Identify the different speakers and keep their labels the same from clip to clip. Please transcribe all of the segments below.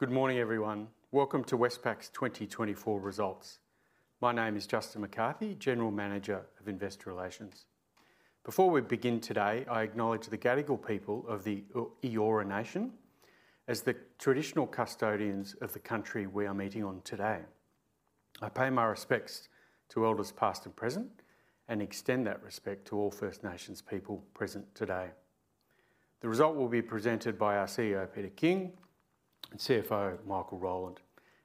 Speaker 1: Good morning, everyone. Welcome to Westpac's 2024 results. My name is Justin McCarthy, General Manager of Investor Relations. Before we begin today, I acknowledge the Gadigal people of the Eora Nation as the traditional custodians of the country we are meeting on today. I pay my respects to Elders past and present, and extend that respect to all First Nations people present today. The result will be presented by our CEO, Peter King, and CFO, Michael Rowland.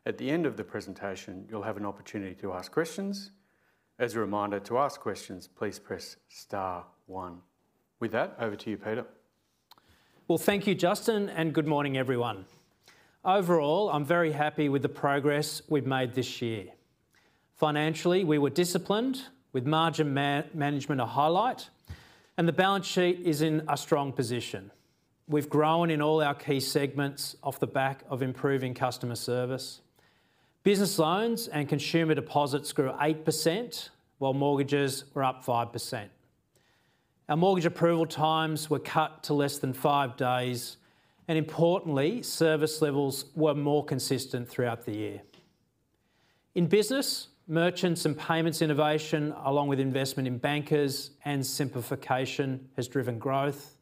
Speaker 1: At the end of the presentation, you'll have an opportunity to ask questions. As a reminder, to ask questions, please press star one. With that, over to you, Peter.
Speaker 2: Thank you, Justin, and good morning, everyone. Overall, I'm very happy with the progress we've made this year. Financially, we were disciplined, with margin management a highlight, and the balance sheet is in a strong position. We've grown in all our key segments off the back of improving customer service. Business loans and consumer deposits grew 8%, while mortgages were up 5%. Our mortgage approval times were cut to less than 5 days, and importantly, service levels were more consistent throughout the year. In business, merchants and payments innovation, along with investment in bankers and simplification, has driven growth,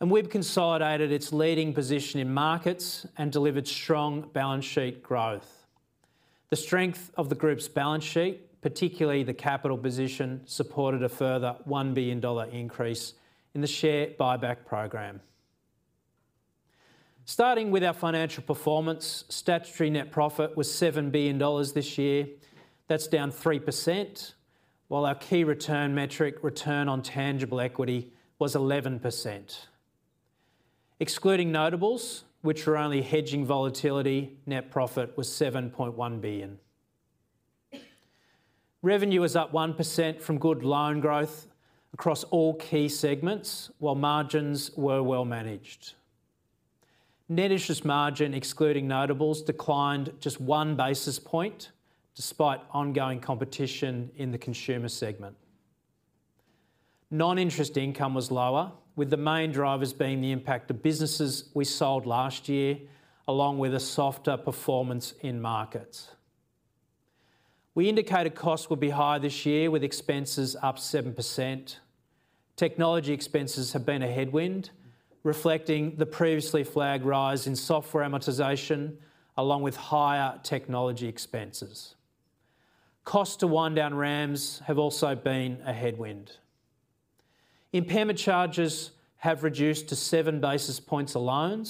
Speaker 2: and we've consolidated its leading position in markets and delivered strong balance sheet growth. The strength of the group's balance sheet, particularly the capital position, supported a further 1 billion dollar increase in the share buyback program. Starting with our financial performance, statutory net profit was 7 billion dollars this year. That's down 3%, while our key return metric, return on tangible equity, was 11%. Excluding notables, which were only hedging volatility, net profit was 7.1 billion. Revenue was up 1% from good loan growth across all key segments, while margins were well managed. Net interest margin, excluding notables, declined just one basis point, despite ongoing competition in the consumer segment. Non-interest income was lower, with the main drivers being the impact of businesses we sold last year, along with a softer performance in markets. We indicated costs will be higher this year, with expenses up 7%. Technology expenses have been a headwind, reflecting the previously flagged rise in software amortization, along with higher technology expenses. Cost to wind down RAMS have also been a headwind. Impairment charges have reduced to 7 basis points alone,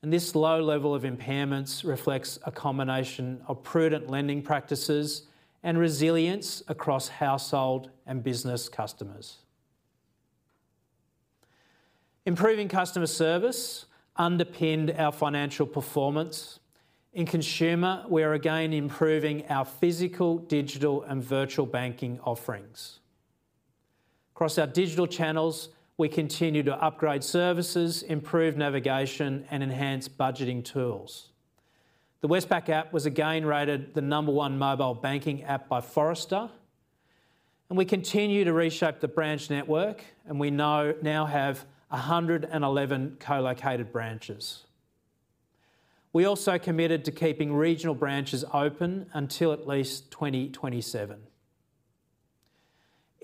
Speaker 2: and this low level of impairments reflects a combination of prudent lending practices and resilience across household and business customers. Improving customer service underpinned our financial performance. In consumer, we are again improving our physical, digital, and virtual banking offerings. Across our digital channels, we continue to upgrade services, improve navigation, and enhance budgeting tools. The Westpac app was again rated the number one mobile banking app by Forrester, and we continue to reshape the branch network, and we now have 111 co-located branches. We also committed to keeping regional branches open until at least 2027.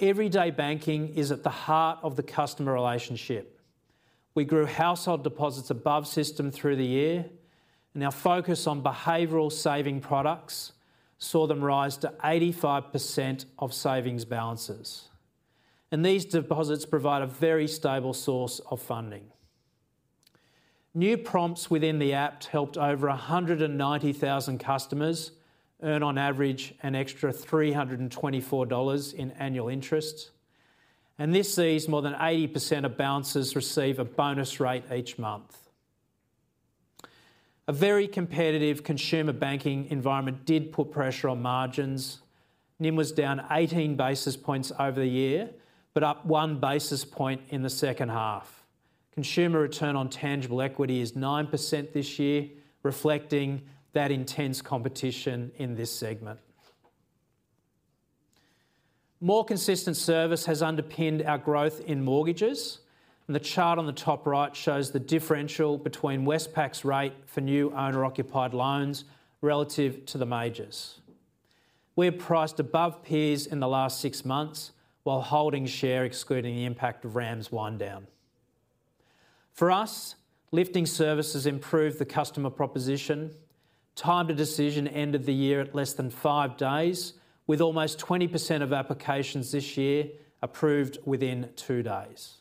Speaker 2: Everyday banking is at the heart of the customer relationship. We grew household deposits above system through the year, and our focus on behavioral saving products saw them rise to 85% of savings balances. And these deposits provide a very stable source of funding. New prompts within the app helped over 190,000 customers earn, on average, an extra 324 dollars in annual interest, and this sees more than 80% of balances receive a bonus rate each month. A very competitive consumer banking environment did put pressure on margins. NIM was down 18 basis points over the year, but up one basis point in the second half. Consumer return on tangible equity is 9% this year, reflecting that intense competition in this segment. More consistent service has underpinned our growth in mortgages, and the chart on the top right shows the differential between Westpac's rate for new owner-occupied loans relative to the majors. We're priced above peers in the last 6 months, while holding share, excluding the impact of RAMS wind down. For us, lifting services improved the customer proposition. Time to decision ended the year at less than 5 days, with almost 20% of applications this year approved within 2 days.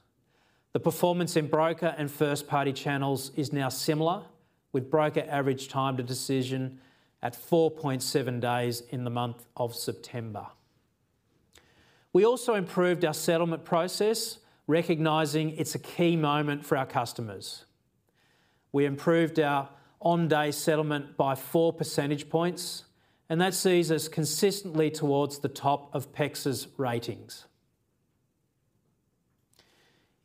Speaker 2: The performance in broker and first-party channels is now similar, with broker average time to decision at 4.7 days in the month of September. We also improved our settlement process, recognizing it's a key moment for our customers. We improved our on-day settlement by 4 percentage points, and that sees us consistently towards the top of PEXA's ratings.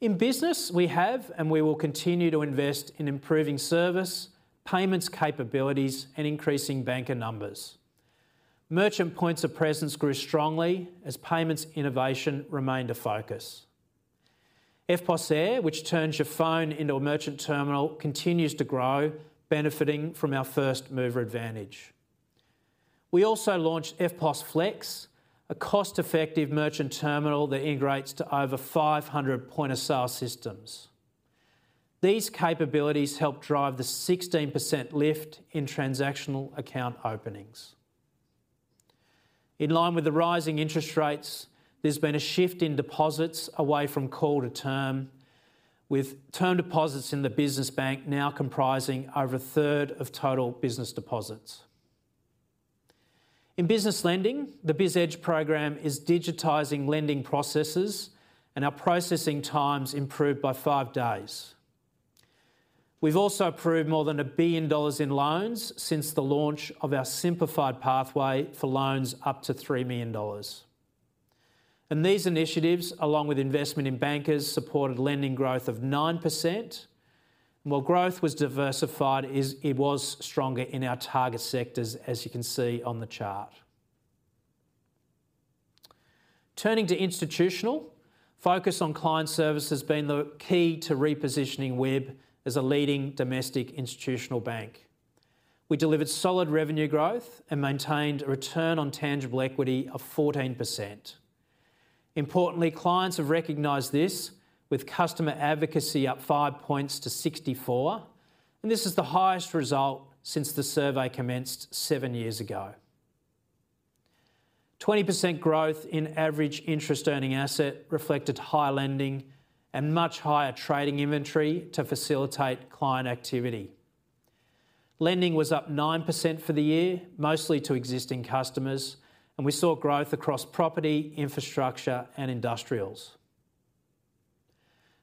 Speaker 2: In business, we have, and we will continue to invest in improving service, payments capabilities, and increasing banker numbers. Merchant points of presence grew strongly as payments innovation remained a focus. EFTPOS Air, which turns your phone into a merchant terminal, continues to grow, benefiting from our first mover advantage. We also launched EFTPOS Flex, a cost-effective merchant terminal that integrates to over 500 point of sale systems. These capabilities help drive the 16% lift in transactional account openings. In line with the rising interest rates, there's been a shift in deposits away from call to term, with term deposits in the business bank now comprising over a third of total business deposits. In business lending, the BizEdge program is digitizing lending processes, and our processing times improved by 5 days. We've also approved more than 1 billion dollars in loans since the launch of our simplified pathway for loans up to 3 million dollars. And these initiatives, along with investment in bankers, supported lending growth of 9%, while growth was diversified, it was stronger in our target sectors, as you can see on the chart. Turning to institutional, focus on client service has been the key to repositioning WIB as a leading domestic institutional bank. We delivered solid revenue growth and maintained a return on tangible equity of 14%. Importantly, clients have recognised this, with customer advocacy up 5 points to 64, and this is the highest result since the survey commenced 7 years ago. 20% growth in average interest earning asset reflected higher lending and much higher trading inventory to facilitate client activity. Lending was up 9% for the year, mostly to existing customers, and we saw growth across property, infrastructure, and industrials.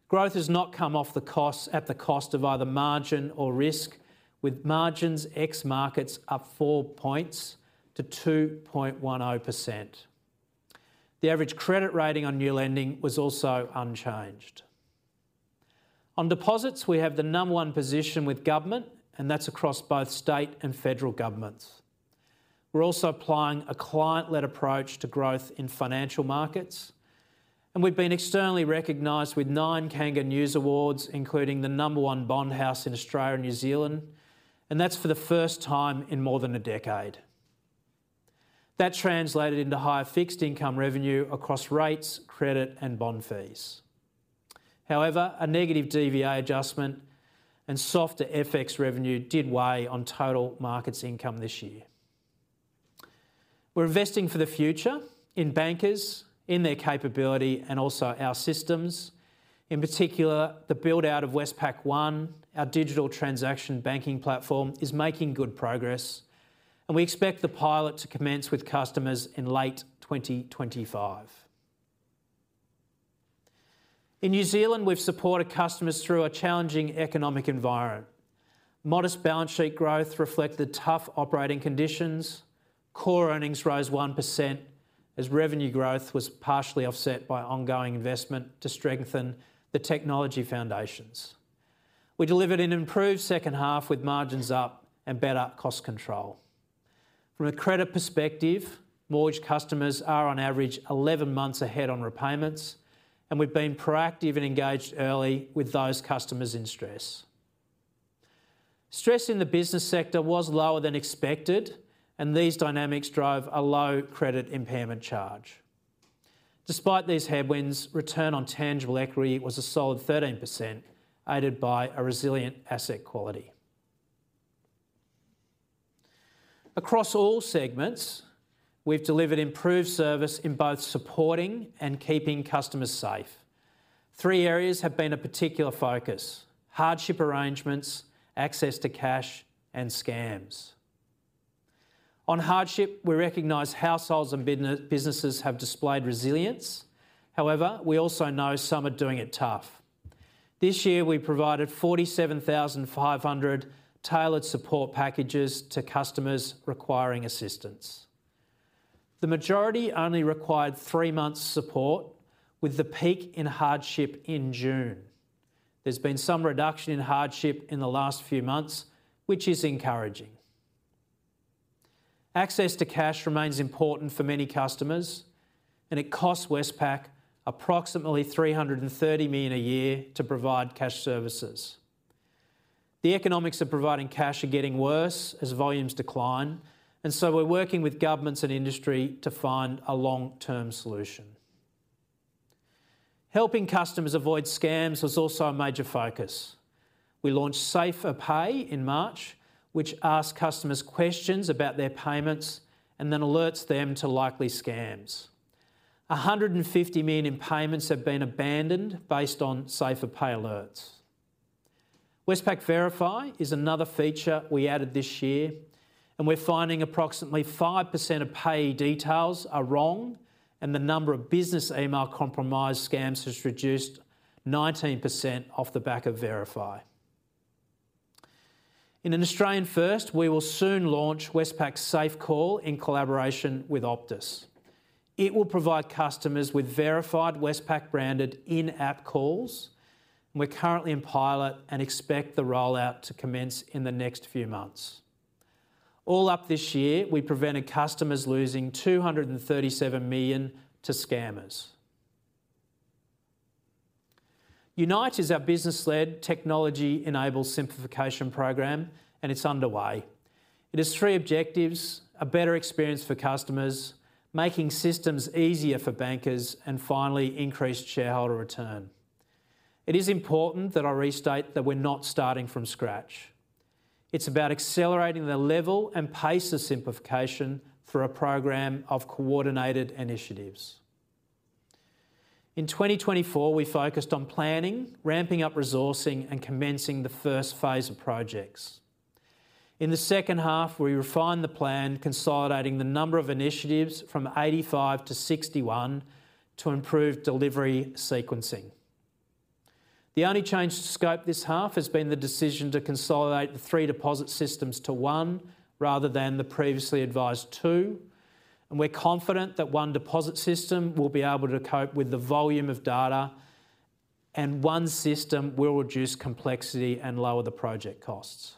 Speaker 2: Growth has not come off the costs at the cost of either margin or risk, with margins ex-markets up 4 points to 2.10%. The average credit rating on new lending was also unchanged. On deposits, we have the number 1 position with government, and that's across both state and federal governments. We're also applying a client-led approach to growth in financial markets, and we've been externally recognized with 9 KangaNews Awards, including the number 1 bond house in Australia and New Zealand, and that's for the first time in more than a decade. That translated into higher fixed income revenue across rates, credit, and bond fees. However, a negative DVA adjustment and softer FX revenue did weigh on total markets income this year. We're investing for the future in bankers, in their capability, and also our systems. In particular, the build-out of Westpac One, our digital transaction banking platform, is making good progress, and we expect the pilot to commence with customers in late 2025. In New Zealand, we've supported customers through a challenging economic environment. Modest balance sheet growth reflected tough operating conditions. Core earnings rose 1% as revenue growth was partially offset by ongoing investment to strengthen the technology foundations. We delivered an improved second half with margins up and better cost control. From a credit perspective, mortgage customers are on average 11 months ahead on repayments, and we've been proactive and engaged early with those customers in stress. Stress in the business sector was lower than expected, and these dynamics drove a low credit impairment charge. Despite these headwinds, return on tangible equity was a solid 13%, aided by a resilient asset quality. Across all segments, we've delivered improved service in both supporting and keeping customers safe. Three areas have been a particular focus: hardship arrangements, access to cash, and scams. On hardship, we recognize households and businesses have displayed resilience. However, we also know some are doing it tough. This year, we provided 47,500 tailored support packages to customers requiring assistance. The majority only required 3 months' support, with the peak in hardship in June. There's been some reduction in hardship in the last few months, which is encouraging. Access to cash remains important for many customers, and it costs Westpac approximately 330 million a year to provide cash services. The economics of providing cash are getting worse as volumes decline, and so we're working with governments and industry to find a long-term solution. Helping customers avoid scams was also a major focus. We launched SaferPay in March, which asks customers questions about their payments and then alerts them to likely scams. 150 million in payments have been abandoned based on SaferPay alerts. Westpac Verify is another feature we added this year, and we're finding approximately 5% of payee details are wrong, and the number of business email compromise scams has reduced 19% off the back of Verify. In an Australian first, we will soon launch Westpac SafeCall in collaboration with Optus. It will provide customers with verified Westpac-branded in-app calls, and we're currently in pilot and expect the rollout to commence in the next few months. All up this year, we prevented customers losing 237 million to scammers. Unite is our business-led technology-enabled simplification program, and it's underway. It has 3 objectives: a better experience for customers, making systems easier for bankers, and finally, increased shareholder return. It is important that I restate that we're not starting from scratch. It's about accelerating the level and pace of simplification through a program of coordinated initiatives. In 2024, we focused on planning, ramping up resourcing, and commencing the first phase of projects. In the second half, we refined the plan, consolidating the number of initiatives from 85 to 61 to improve delivery sequencing. The only change to scope this half has been the decision to consolidate the 3 deposit systems to one rather than the previously advised two, and we're confident that one deposit system will be able to cope with the volume of data, and one system will reduce complexity and lower the project costs.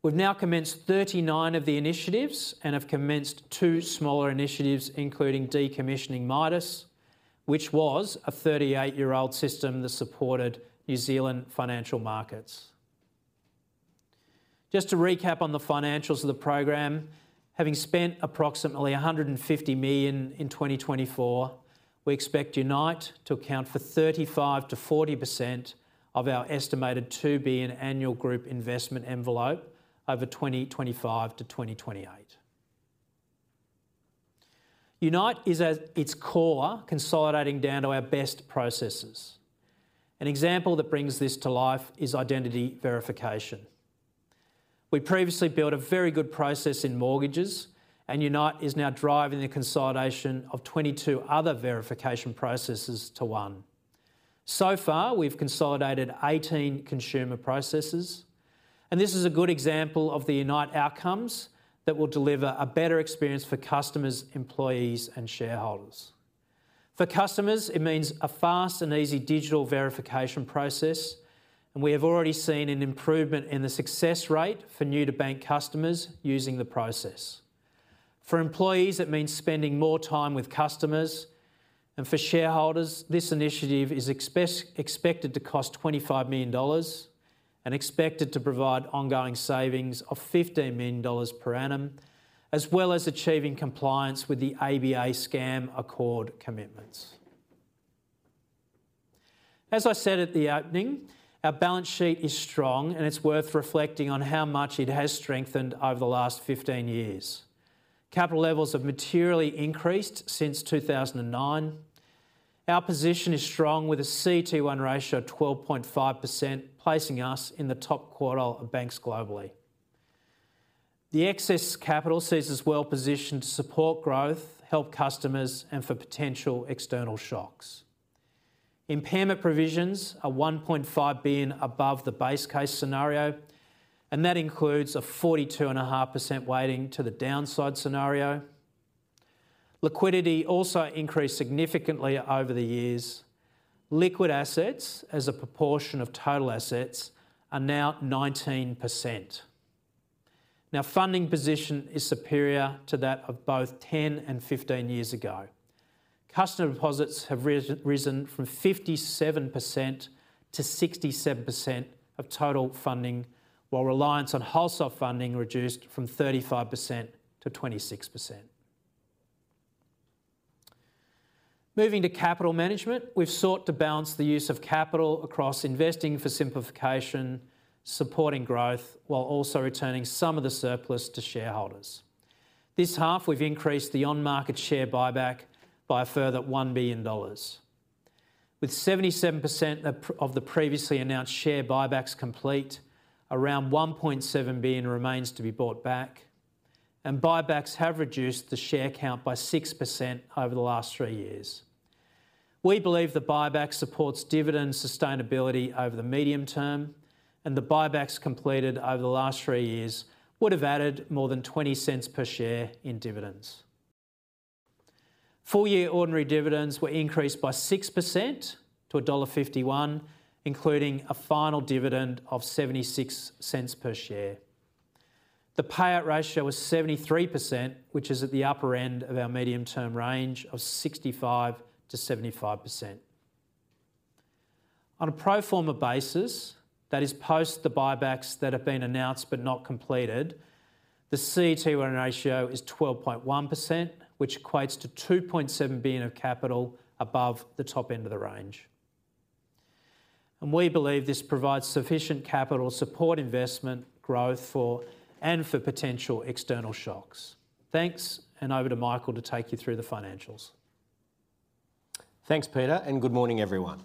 Speaker 2: We've now commenced 39 of the initiatives and have commenced 2 smaller initiatives, including decommissioning Midas, which was a 38-year-old system that supported New Zealand financial markets. Just to recap on the financials of the program, having spent approximately 150 million in 2024, we expect Unite to account for 35% to 40% of our estimated 2 billion annual group investment envelope over 2025 to 2028. Unite is at its core, consolidating down to our best processes. An example that brings this to life is identity verification. We previously built a very good process in mortgages, and Unite is now driving the consolidation of 22 other verification processes to one. So far, we've consolidated 18 consumer processes, and this is a good example of the Unite outcomes that will deliver a better experience for customers, employees, and shareholders. For customers, it means a fast and easy digital verification process, and we have already seen an improvement in the success rate for new-to-bank customers using the process. For employees, it means spending more time with customers, and for shareholders, this initiative is expected to cost AUD 25 million and expected to provide ongoing savings of AUD 15 million per annum, as well as achieving compliance with the ABA Scam Accord commitments. As I said at the opening, our balance sheet is strong, and it's worth reflecting on how much it has strengthened over the last 15 years. Capital levels have materially increased since 2009. Our position is strong with a CET1 ratio of 12.5%, placing us in the top quartile of banks globally. The excess capital sees us well positioned to support growth, help customers, and for potential external shocks. Impairment provisions are 1.5 billion above the base case scenario, and that includes a 42.5% weighting to the downside scenario. Liquidity also increased significantly over the years. Liquid assets, as a proportion of total assets, are now 19%. Now, funding position is superior to that of both 10 and 15 years ago. Customer deposits have risen from 57% to 67% of total funding, while reliance on wholesale funding reduced from 35% to 26%. Moving to capital management, we've sought to balance the use of capital across investing for simplification, supporting growth, while also returning some of the surplus to shareholders. This half, we've increased the on-market share buyback by a further 1 billion dollars. With 77% of the previously announced share buybacks complete, around 1.7 billion remains to be bought back, and buybacks have reduced the share count by 6% over the last 3 years. We believe the buyback supports dividend sustainability over the medium term, and the buybacks completed over the last 3 years would have added more than 0.20 per share in dividends. Four-year ordinary dividends were increased by 6% to dollar 1.51, including a final dividend of 0.76 per share. The payout ratio was 73%, which is at the upper end of our medium-term range of 65%-75%. On a pro forma basis, that is, post the buybacks that have been announced but not completed, the CET1 ratio is 12.1%, which equates to 2.7 billion of capital above the top end of the range. And we believe this provides sufficient capital support investment growth for and for potential external shocks. Thanks, and over to Michael to take you through the financials.
Speaker 3: Thanks, Peter, and good morning, everyone.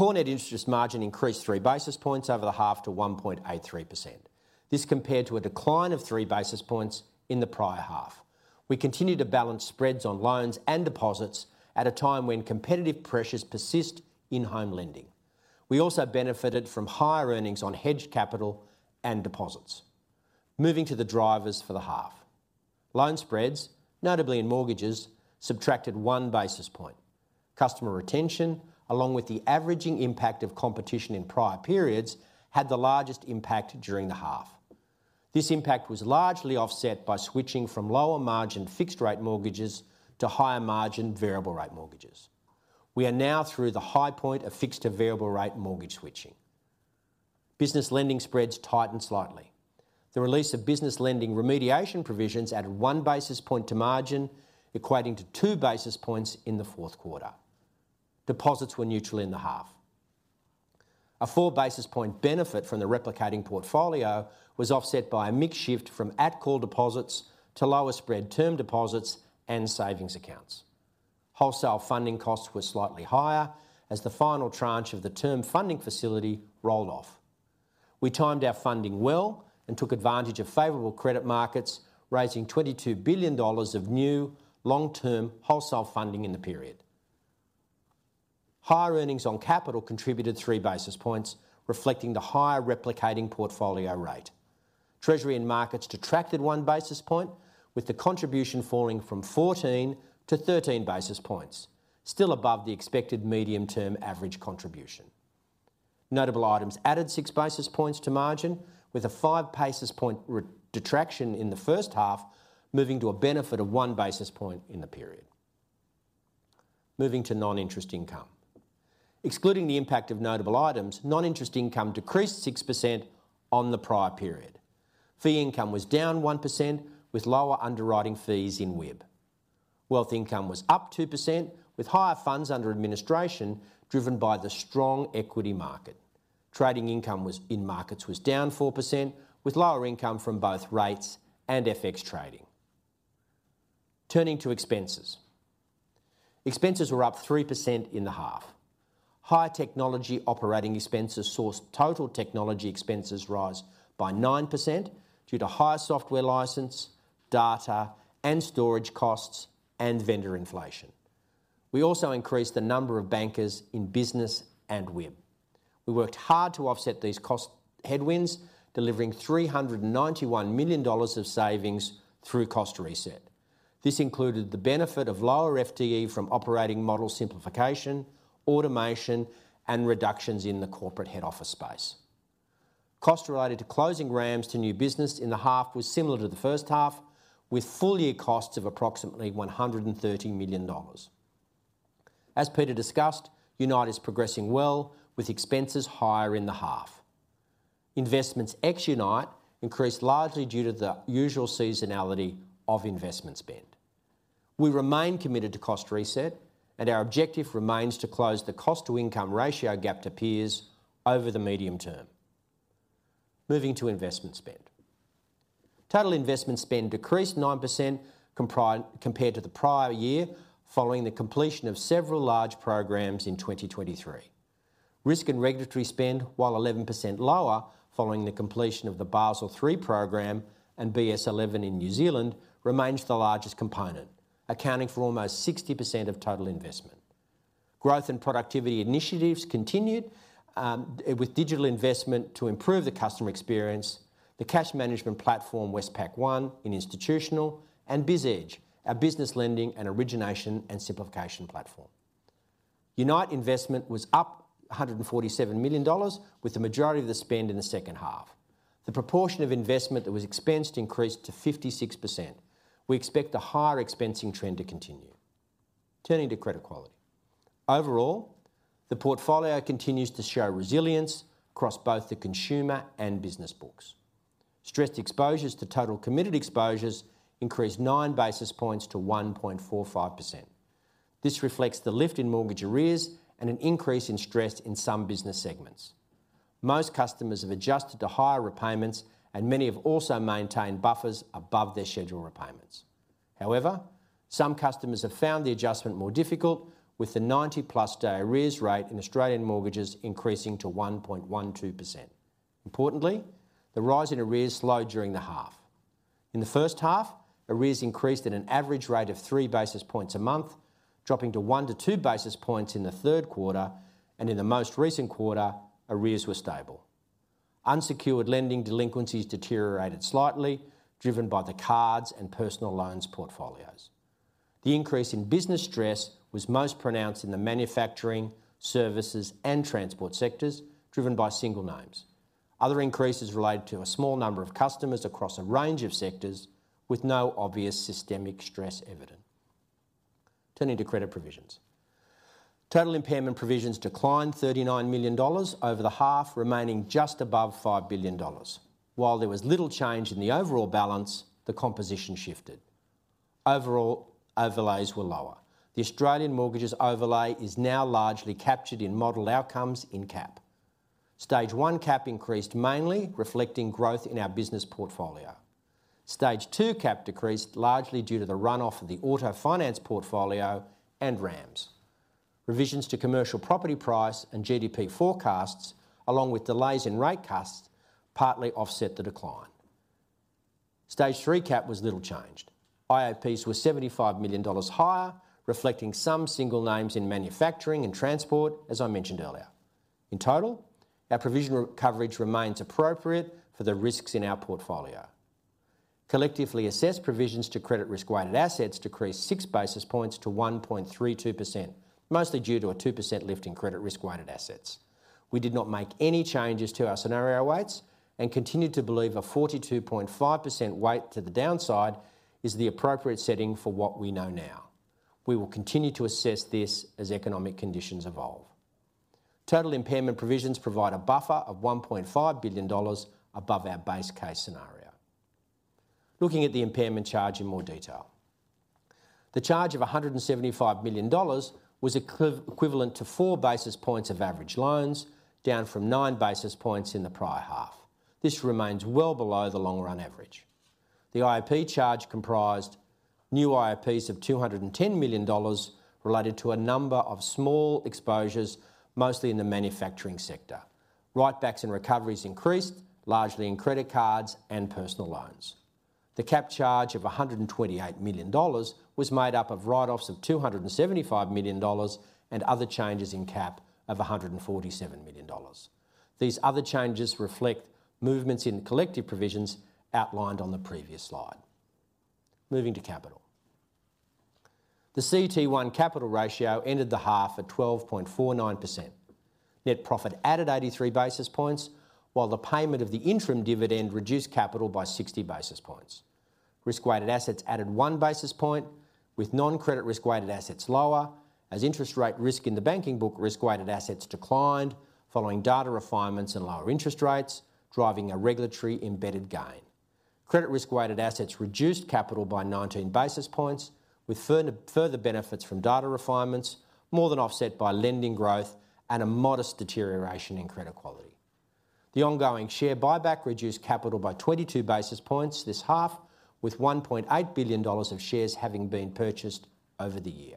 Speaker 3: Core net interest margin incre basis points over the half to 1.83%. This compared to a decline of 3 basis points in the prior half. We continue to balance spreads on loans and deposits at a time when competitive pressures persist in home lending. We also benefited from higher earnings on hedged capital and deposits. Moving to the drivers for the half. Loan spreads, notably in mortgages, subtracted one basis point. Customer retention, along with the averaging impact of competition in prior periods, had the largest impact during the half. This impact was largely offset by switching from lower-margin fixed-rate mortgages to higher-margin variable-rate mortgages. We are now through the high point of fixed-to-variable-rate mortgage switching. Business lending spreads tightened slightly. The release of business lending remediation provisions added one basis point to margin, equating to 2 basis points in the fourth quarter. Deposits were neutral in the half. A four-basis-point benefit from the replicating portfolio was offset by a mixed shift from at-call deposits to lower-spread term deposits and savings accounts. Wholesale funding costs were slightly higher as the final tranche of the Term Funding Facility rolled off. We timed our funding well and took advantage of favorable credit markets, raising 22 billion dollars of new long-term wholesale funding in the period. Higher earnings on capital contributed 3 basis points, reflecting the higher replicating portfolio rate. Treasury and markets detracted one basis point, with the contribution falling from 14 to 13 basis points, still above the expected medium-term average contribution. Notable items added 6 basis points to margin, with a five-basis-point detraction in the first half moving to a benefit of one basis point in the period. Moving to non-interest income. Excluding the impact of notable items, non-interest income decreased 6% on the prior period. Fee income was down 1%, with lower underwriting fees in WIB. Wealth income was up 2%, with higher funds under administration driven by the strong equity market. Trading income in markets was down 4%, with lower income from both REITs and FX trading. Turning to expenses. Expenses were up 3% in the half. Higher technology operating expenses saw total technology expenses rise by 9% due to higher software license, data, and storage costs and vendor inflation. We also increased the number of bankers in business and WIB. We worked hard to offset these cost headwinds, delivering 391 million dollars of savings through Cost Reset. This included the benefit of lower FTE from operating model simplification, automation, and reductions in the corporate head office space. Cost related to closing RAMS to new business in the half was similar to the first half, with full-year costs of approximately 113 million dollars. As Peter discussed, Unite is progressing well, with expenses higher in the half. Investments ex Unite increased largely due to the usual seasonality of investment spend. We remain committed to Cost Reset, and our objective remains to close the cost-to-income ratio gap to peers over the medium term. Moving to investment spend. Total investment spend decreased 9% compared to the prior year following the completion of several large programs in 2023. Risk and regulatory spend, while 11% lower following the completion of the Basel III program and BS11 in New Zealand, remains the largest component, accounting for almost 60% of total investment. Growth and productivity initiatives continued, with digital investment to improve the customer experience, the cash management platform Westpac One in institutional, and BizEdge, our business lending and origination and simplification platform. Unite investment was up 147 million dollars, with the majority of the spend in the second half. The proportion of investment that was expensed increased to 56%. We expect the higher expensing trend to continue. Turning to credit quality. Overall, the portfolio continues to show resilience across both the consumer and business books. Stressed exposures to total committed exposures increased 9 basis points to 1.45%. This reflects the lift in mortgage arrears and an increase in stress in some business segments. Most customers have adjusted to higher repayments, and many have also maintained buffers above their scheduled repayments. However, some customers have found the adjustment more difficult, with the 90-plus day arrears rate in Australian mortgages increasing to 1.12%. Importantly, the rise in arrears slowed during the half. In the first half, arrears increased at an average rate of 3 basis points a month, dropping to one-two basis points in the third quarter, and in the most recent quarter, arrears were stable. Unsecured lending delinquencies deteriorated slightly, driven by the cards and personal loans portfolios. The increase in business stress was most pronounced in the manufacturing, services, and transport sectors, driven by single names. Other increases related to a small number of customers across a range of sectors, with no obvious systemic stress evident. Turning to credit provisions. Total impairment provisions declined 39 million dollars over the half, remaining just above 5 billion dollars. While there was little change in the overall balance, the composition shifted. Overall, overlays were lower. The Australian mortgages overlay is now largely captured in model outcomes in CAP. Stage 1 CAP increased mainly, reflecting growth in our business portfolio. Stage 2 CAP decreased largely due to the run-off of the auto finance portfolio and RAMS. Revisions to commercial property price and GDP forecasts, along with delays in rate cuts, partly offset the decline. Stage 3 CAP was little changed. IAPs were 75 million dollars higher, reflecting some single names in manufacturing and transport, as I mentioned earlier. In total, our provision coverage remains appropriate for the risks in our portfolio. Collectively assessed provisions to credit risk-weighted assets decreased 6 basis points to 1.32%, mostly due to a 2% lift in credit risk-weighted assets. We did not make any changes to our scenario weights and continue to believe a 42.5% weight to the downside is the appropriate setting for what we know now. We will continue to assess this as economic conditions evolve. Total impairment provisions provide a buffer of 1.5 billion dollars above our base case scenario. Looking at the impairment charge in more detail. The charge of 175 million dollars was equivalent to 4 basis points of average loans, down from 9 basis points in the prior half. This remains well below the long-run average. The IAP charge comprised new IAPs of 210 million dollars related to a number of small exposures, mostly in the manufacturing sector. Write-backs and recoveries increased, largely in credit cards and personal loans. The ECL charge of 128 million dollars was made up of write-offs of 275 million dollars and other changes in ECL of 147 million dollars. These other changes reflect movements in collective provisions outlined on the previous slide. Moving to capital. The CET1 capital ratio ended the half at 12.49%. Net profit added 83 basis points, while the payment of the interim dividend reduced capital by 60 basis points. Risk-weighted assets added one basis point, with non-credit risk-weighted assets lower, as interest rate risk in the banking book risk-weighted assets declined following data refinements and lower interest rates, driving a regulatory embedded gain. Credit risk-weighted assets reduced capital by 19 basis points, with further benefits from data refinements more than offset by lending growth and a modest deterioration in credit quality. The ongoing share buyback reduced capital by 22 basis points this half, with 1.8 billion dollars of shares having been purchased over the year.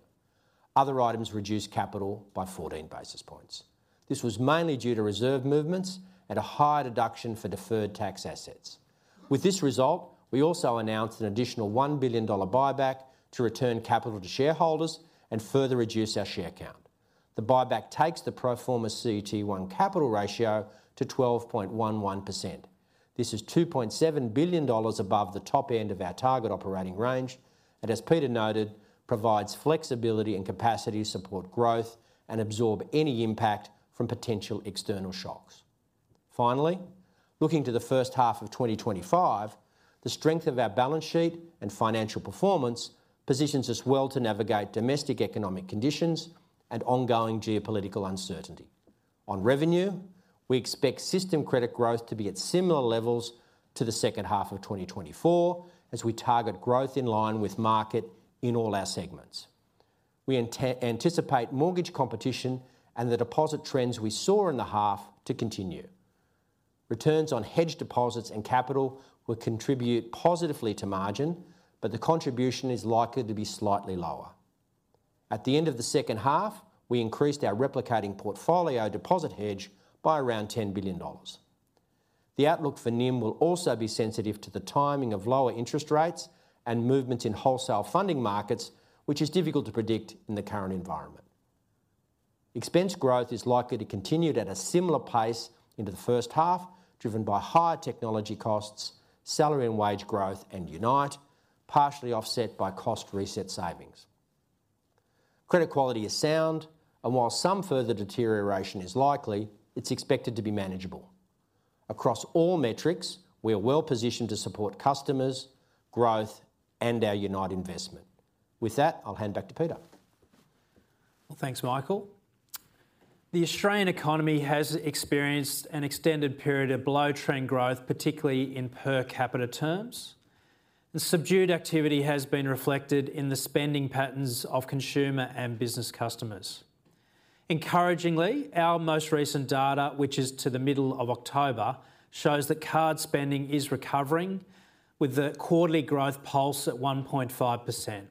Speaker 3: Other items reduced capital by 14 basis points. This was mainly due to reserve movements and a higher deduction for deferred tax assets. With this result, we also announced an additional 1 billion dollar buyback to return capital to shareholders and further reduce our share count. The buyback takes the pro forma CET1 capital ratio to 12.11%. This is 2.7 billion dollars above the top end of our target operating range, and as Peter noted, provides flexibility and capacity to support growth and absorb any impact from potential external shocks. Finally, looking to the first half of 2025, the strength of our balance sheet and financial performance positions us well to navigate domestic economic conditions and ongoing geopolitical uncertainty. On revenue, we expect system credit growth to be at similar levels to the second half of 2024, as we target growth in line with market in all our segments. We anticipate mortgage competition and the deposit trends we saw in the half to continue. Returns on hedged deposits and capital will contribute positively to margin, but the contribution is likely to be slightly lower. At the end of the second half, we increased our replicating portfolio deposit hedge by around 10 billion dollars. The outlook for NIM will also be sensitive to the timing of lower interest rates and movements in wholesale funding markets, which is difficult to predict in the current environment. Expense growth is likely to continue at a similar pace into the first half, driven by higher technology costs, salary and wage growth, and Unite, partially offset by cost reset savings. Credit quality is sound, and while some further deterioration is likely, it's expected to be manageable. Across all metrics, we are well positioned to support customers, growth, and our Unite investment. With that, I'll hand back to Peter.
Speaker 2: Thanks, Michael. The Australian economy has experienced an extended period of below-trend growth, particularly in per capita terms. The subdued activity has been reflected in the spending patterns of consumer and business customers. Encouragingly, our most recent data, which is to the middle of October, shows that card spending is recovering, with the quarterly growth pulse at 1.5%.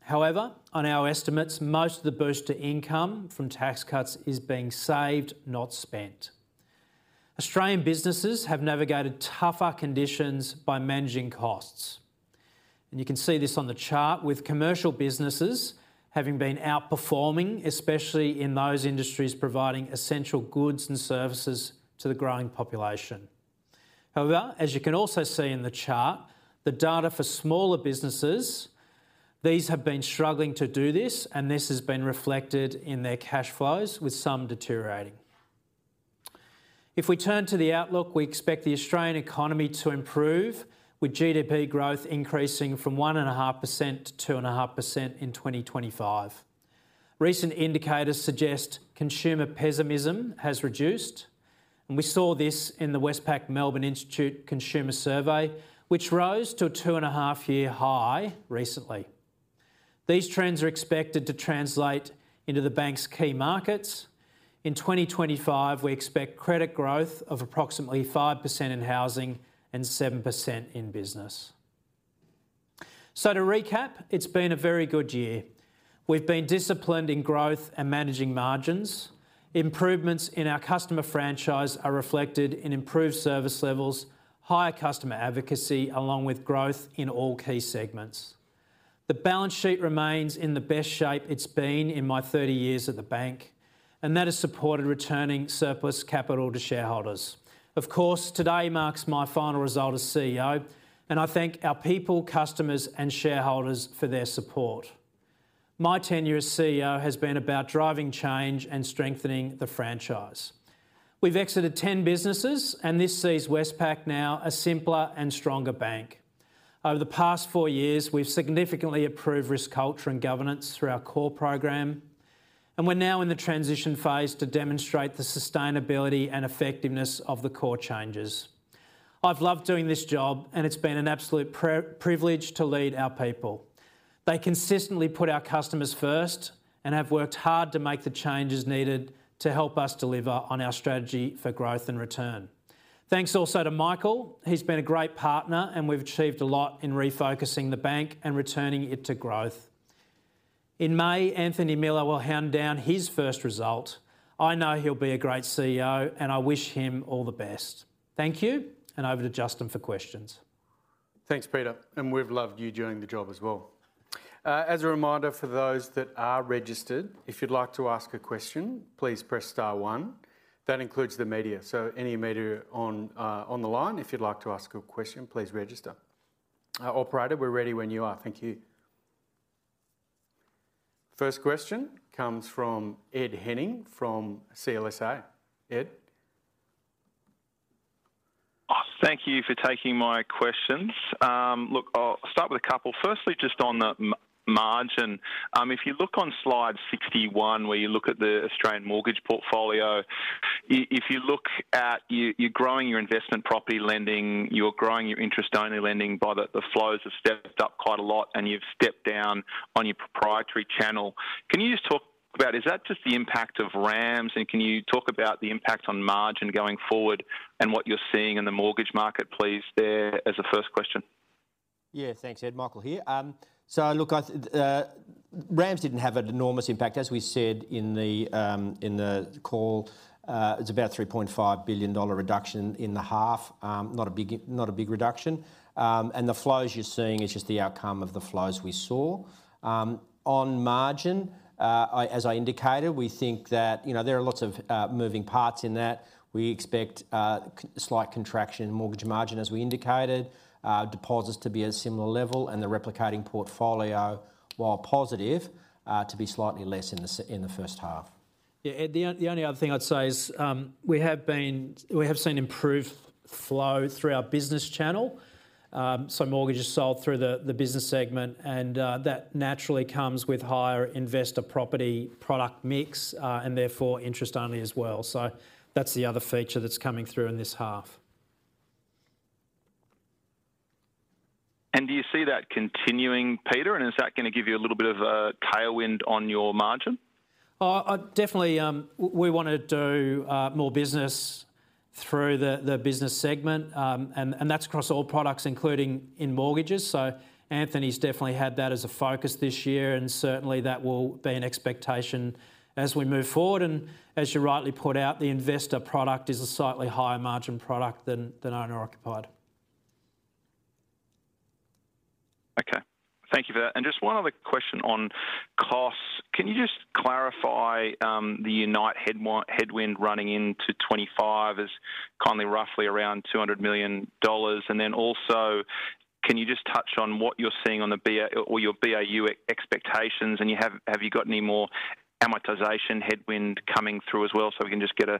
Speaker 2: However, on our estimates, most of the boost to income from tax cuts is being saved, not spent. Australian businesses have navigated tougher conditions by managing costs, and you can see this on the chart, with commercial businesses having been outperforming, especially in those industries providing essential goods and services to the growing population. However, as you can also see in the chart, the data for smaller businesses, these have been struggling to do this, and this has been reflected in their cash flows, with some deteriorating. If we turn to the outlook, we expect the Australian economy to improve, with GDP growth increasing from 1.5% to 2.5% in 2025. Recent indicators suggest consumer pessimism has reduced, and we saw this in the Westpac Melbourne Institute Consumer Survey, which rose to a two-and-a-half-year high recently. These trends are expected to translate into the bank's key markets. In 2025, we expect credit growth of approximately 5% in housing and 7% in business. To recap, it's been a very good year. We've been disciplined in growth and managing margins. Improvements in our customer franchise are reflected in improved service levels, higher customer advocacy, along with growth in all key segments. The balance sheet remains in the best shape it's been in my 30 years at the bank, and that has supported returning surplus capital to shareholders. Of course, today marks my final result as CEO, and I thank our people, customers, and shareholders for their support. My tenure as CEO has been about driving change and strengthening the franchise. We've exited 10 businesses, and this sees Westpac now a simpler and stronger bank. Over the past 4 years, we've significantly improved risk culture and governance through our CORE program, and we're now in the transition phase to demonstrate the sustainability and effectiveness of the core changes. I've loved doing this job, and it's been an absolute privilege to lead our people. They consistently put our customers first and have worked hard to make the changes needed to help us deliver on our strategy for growth and return. Thanks also to Michael. He's been a great partner, and we've achieved a lot in refocusing the bank and returning it to growth. In May, Anthony Miller will hand down his first result. I know he'll be a great CEO, and I wish him all the best. Thank you, and over to Justin for questions.
Speaker 1: Thanks, Peter, and we've loved you doing the job as well. As a reminder for those that are registered, if you'd like to ask a question, please press star one. That includes the media, so any media on the line, if you'd like to ask a question, please register. Operator, we're ready when you are. Thank you. First question comes from Ed Henning from CLSA. Ed?
Speaker 4: Thank you for taking my questions. Look, I'll start with a couple. Firstly, just on the margin, if you look on slide 61, where you look at the Australian mortgage portfolio. If you look at you're growing your investment property lending, you're growing your interest-only lending but the flows have stepped up quite a lot, and you've stepped down on your proprietary channel. Can you just talk about, is that just the impact of RAMS, and can you talk about the impact on margin going forward and what you're seeing in the mortgage market, please, there as a first question?
Speaker 3: Yeah, thanks, Ed. Michael here. So, look, RAMS didn't have an enormous impact, as we said in the call. It's about a 3.5 billion dollar reduction in the half, not a big reduction. The flows you're seeing is just the outcome of the flows we saw. On margin, as I indicated, we think that there are lots of moving parts in that. We expect slight contraction in mortgage margin, as we indicated, deposits to be at a similar level, and the replicating portfolio, while positive, to be slightly less in the first half.
Speaker 2: Yeah, Ed, the only other thing I'd say is we have seen improved flow through our business channel, so mortgages sold through the business segment, and that naturally comes with higher investor property product mix and therefore interest-only as well. So that's the other feature that's coming through in this half.
Speaker 4: Do you see that continuing, Peter, and is that going to give you a little bit of a tailwind on your margin? Definitely.
Speaker 2: We want to do more business through the business segment, and that's across all products, including in mortgages. So Anthony's definitely had that as a focus this year, and certainly that will be an expectation as we move forward. And as you rightly put out, the investor product is a slightly higher margin product than owner-occupied.
Speaker 4: Okay, thank you for that. And just one other question on costs. Can you just clarify the Unite headwind running into 2025 is kind of roughly around 200 million dollars? And then also, can you just touch on what you're seeing on your BAU expectations, and have you got any more amortization headwind coming through as well so we can just get a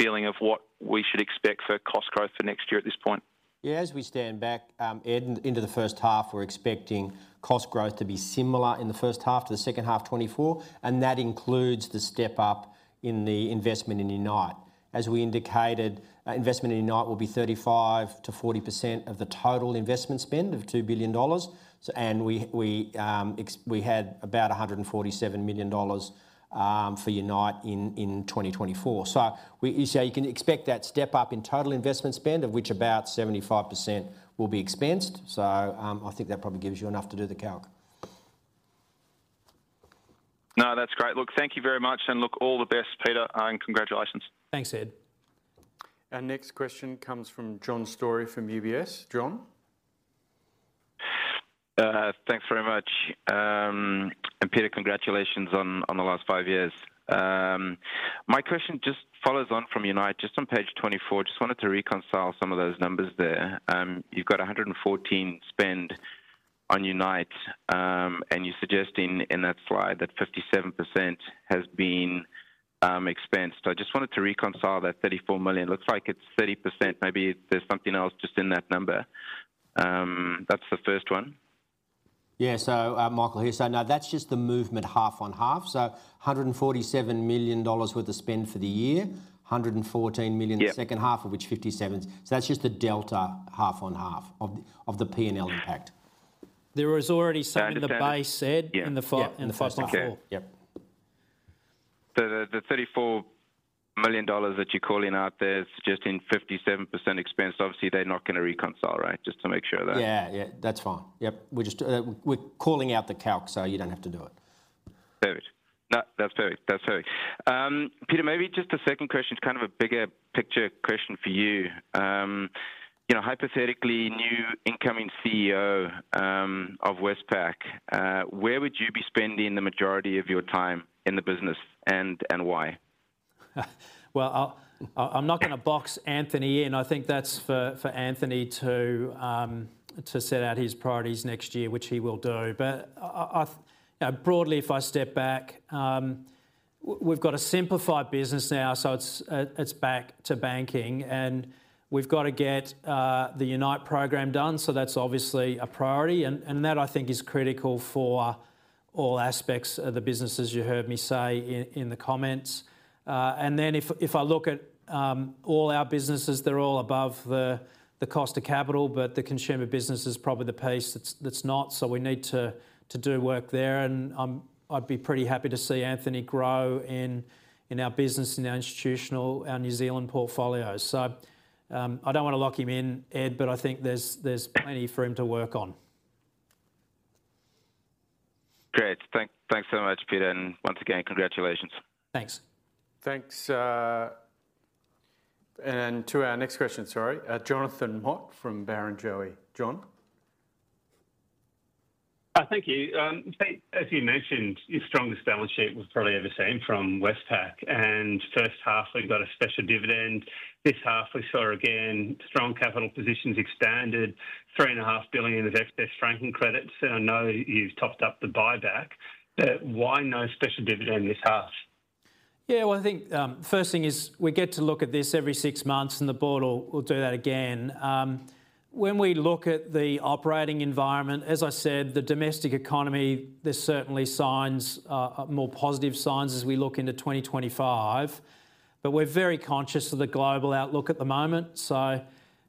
Speaker 4: feeling of what we should expect for cost growth for next year at this point?
Speaker 2: Yeah, as we stand back, Ed, into the first half, we're expecting cost growth to be similar in the first half to the second half 2024, and that includes the step up in the investment in Unite. As we indicated, investment in Unite will be 35%-40% of the total investment spend of $2 billion, and we had about $147 million for Unite in 2024. So you can expect that step up in total investment spend, of which about 75% will be expensed. So I think that probably gives you enough to do the calc.
Speaker 4: No, that's great. Look, thank you very much, and look, all the best, Peter, and congratulations. Thanks, Ed.
Speaker 1: Our next question comes from John Story from UBS. John?
Speaker 5: Thanks very much. And Peter, congratulations on the last 5 years. My question just follows on from Unite, just on page 24. Just wanted to reconcile some of those numbers there. You've got 114 spend on Unite, and you're suggesting in that slide that 57% has been expensed. I just wanted to reconcile that $34 million. Looks like it's 30%, maybe there's something else just in that number. That's the first one.
Speaker 3: Yeah, so Michael here. So now that's just the movement half on half. So $147 million worth of spend for the year, $114 million in the second half, of which 57%. So that's just the delta half on half of the P&L impact.
Speaker 2: There was already something in the base, Ed, in the first half.
Speaker 5: Yep. The $34 million that you're calling out there is just in 57% expense. Obviously, they're not going to reconcile, right? Just to make sure that.
Speaker 3: Yeah, yeah, that's fine.
Speaker 2: Yep, we're calling out the calc, so you don't have to do it.
Speaker 5: Perfect. No, that's perfect. That's perfect. Peter, maybe just a second question, kind of a bigger picture question for you. Hypothetically, new incoming CEO of Westpac, where would you be spending the majority of your time in the business, and why?
Speaker 2: Well, I'm not going to box Anthony in. I think that's for Anthony to set out his priorities next year, which he will do. But broadly, if I step back, we've got a simplified business now, so it's back to banking, and we've got to get the Unite program done. So that's obviously a priority, and that I think is critical for all aspects of the business, as you heard me say in the comments. And then if I look at all our businesses, they're all above the cost of capital, but the consumer business is probably the piece that's not. So we need to do work there, and I'd be pretty happy to see Anthony grow in our business, in our institutional, our New Zealand portfolios. So I don't want to lock him in, Ed, but I think there's plenty for him to work on.
Speaker 5: Great. Thanks so much, Peter, and once again, congratulations. Thanks.
Speaker 1: Thanks. And then to our next question, sorry, Jonathan Mott from Barrenjoey. Jonathan?
Speaker 6: Thank you. As you mentioned, your strongest balance sheet was probably ever seen from Westpac. And first half, we've got a special dividend. This half, we saw again strong capital positions expanded, 3.5 billion of excess franking credits. And I know you've topped up the buyback, but why no special dividend this half?
Speaker 2: Yeah, well, I think first thing is we get to look at this every 6 months, and the board will do that again. When we look at the operating environment, as I said, the domestic economy, there's certainly more positive signs as we look into 2025, but we're very conscious of the global outlook at the moment. So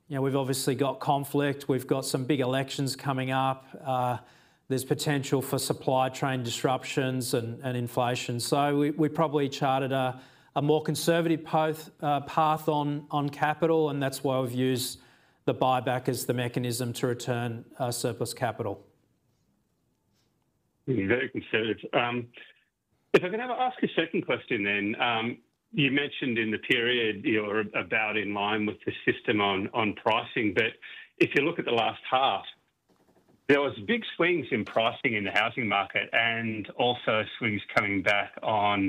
Speaker 2: we've obviously got conflict. We've got some big elections coming up. There's potential for supply chain disruptions and inflation. So we probably charted a more conservative path on capital, and that's why we've used the buyback as the mechanism to return surplus capital. Very conservative.
Speaker 6: If I can ask a second question then, you mentioned in the period you're about in line with the system on pricing, but if you look at the last half, there were big swings in pricing in the housing market and also swings coming back on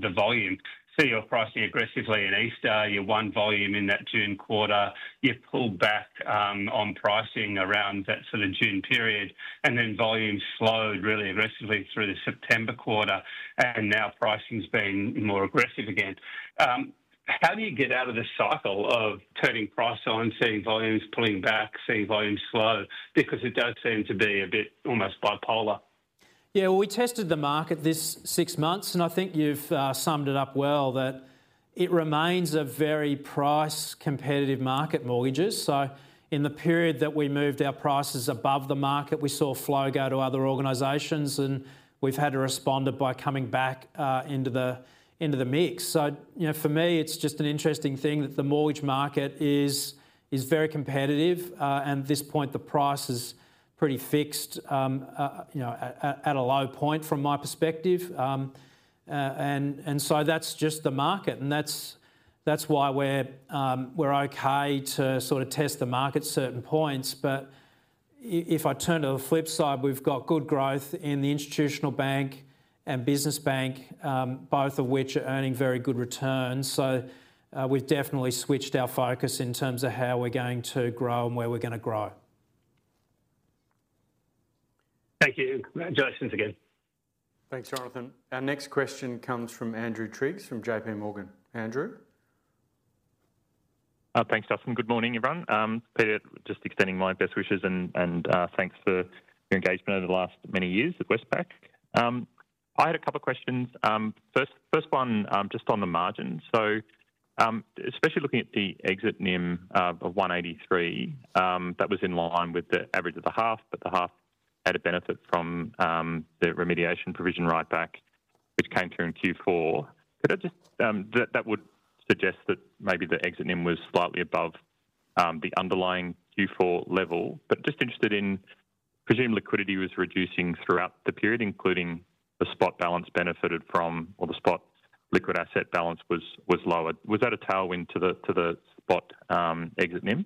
Speaker 6: the volume. So you're pricing aggressively in Easter, you won volume in that June quarter, you pulled back on pricing around that sort of June period, and then volume slowed really aggressively through the September quarter, and now pricing's been more aggressive again. How do you get out of the cycle of turning price on, seeing volumes pulling back, seeing volumes slow? Because it does seem to be a bit almost bipolar.
Speaker 2: Yeah, well, we tested the market these 6 months, and I think you've summed it up well that it remains a very price-competitive market, mortgages. So in the period that we moved our prices above the market, we saw flow go to other organizations, and we've had to respond by coming back into the mix. So for me, it's just an interesting thing that the mortgage market is very competitive, and at this point, the price is pretty fixed at a low point from my perspective. And so that's just the market, and that's why we're okay to sort of test the market at certain points. But if I turn to the flip side, we've got good growth in the institutional bank and business bank, both of which are earning very good returns. So we've definitely switched our focus in terms of how we're going to grow and where we're going to grow.
Speaker 6: Thank you. Jonathan's again.
Speaker 1: Thanks, Jonathan. Our next question comes from Andrew Triggs from J.P. Morgan. Andrew.
Speaker 7: Thanks, Justin. Good morning, everyone. Peter, just extending my best wishes and thanks for your engagement over the last many years at Westpac. I had a couple of questions. First one, just on the margin. So especially looking at the exit NIM of 183, that was in line with the average of the half, but the half had a benefit from the remediation provision right back, which came through in Q4. That would suggest that maybe the exit NIM was slightly above the underlying Q4 level, but just interested in presumed liquidity was reducing throughout the period, including the spot balance benefited from, or the spot liquid asset balance was lower. Was that a tailwind to the spot exit NIM?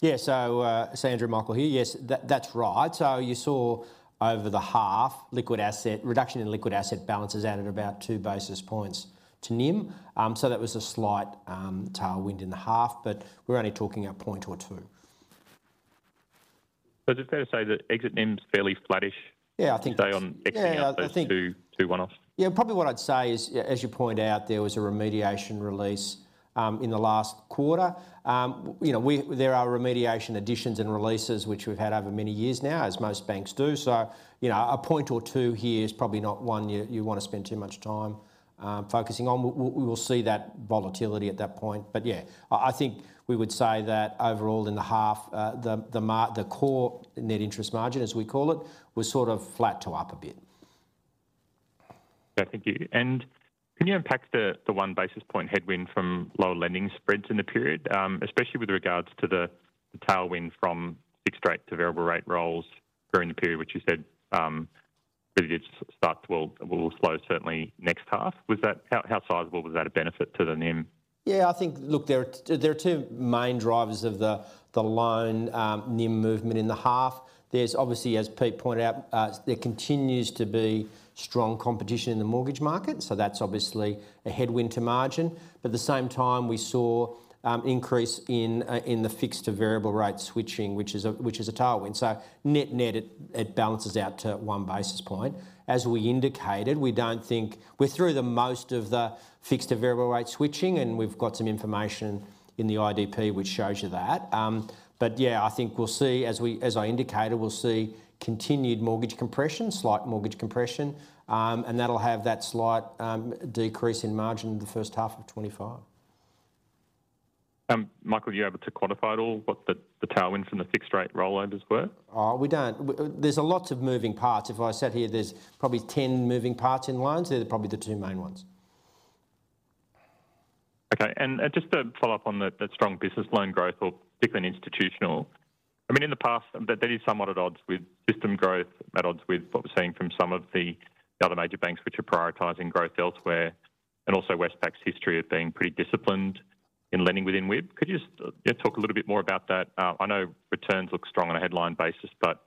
Speaker 3: Yeah, so Andrew, Michael here. Yes, that's right. So you saw over the half, liquid asset reduction in liquid asset balances added about 2 basis points to NIM. So that was a slight tailwind in the half, but we're only talking a point or two.
Speaker 7: So just there to say that exit NIM's fairly flattish today on exiting out to one-off.
Speaker 3: Yeah, probably what I'd say is, as you point out, there was a remediation release in the last quarter. There are remediation additions and releases, which we've had over many years now, as most banks do. So a point or two here is probably not one you want to spend too much time focusing on. We will see that volatility at that point. But yeah, I think we would say that overall in the half, the core net interest margin, as we call it, was sort of flat to up a bit.
Speaker 7: Thank you. Can you unpack the one basis point headwind from lower lending spreads in the period, especially with regards to the tailwind from fixed rate to variable rate rollovers during the period, which you said really did start to slow certainly next half? How sizable was that a benefit to the NIM?
Speaker 3: Yeah, I think, look, there are 2 main drivers of the loan NIM movement in the half. There's obviously, as Pete pointed out, there continues to be strong competition in the mortgage market. So that's obviously a headwind to margin. But at the same time, we saw an increase in the fixed to variable rate switching, which is a tailwind. So net net, it balances out to one basis point. As we indicated, we don't think we're through the most of the fixed to variable rate switching, and we've got some information in the IDP, which shows you that. But yeah, I think we'll see, as I indicated, we'll see continued mortgage compression, slight mortgage compression, and that'll have that slight decrease in margin in the first half of 2025.
Speaker 7: Michael, you're able to quantify at all what the tailwinds from the fixed rate rollout is worth?
Speaker 3: We don't. There's a lot of moving parts. If I sat here, there's probably 10 moving parts in lines. They're probably the two main ones. Okay.
Speaker 7: Just to follow up on that strong business loan growth, or particularly in institutional, I mean, in the past, that is somewhat at odds with system growth, at odds with what we're seeing from some of the other major banks, which are prioritizing growth elsewhere, and also Westpac's history of being pretty disciplined in lending within WIB. Could you just talk a little bit more about that? I know returns look strong on a headline basis, but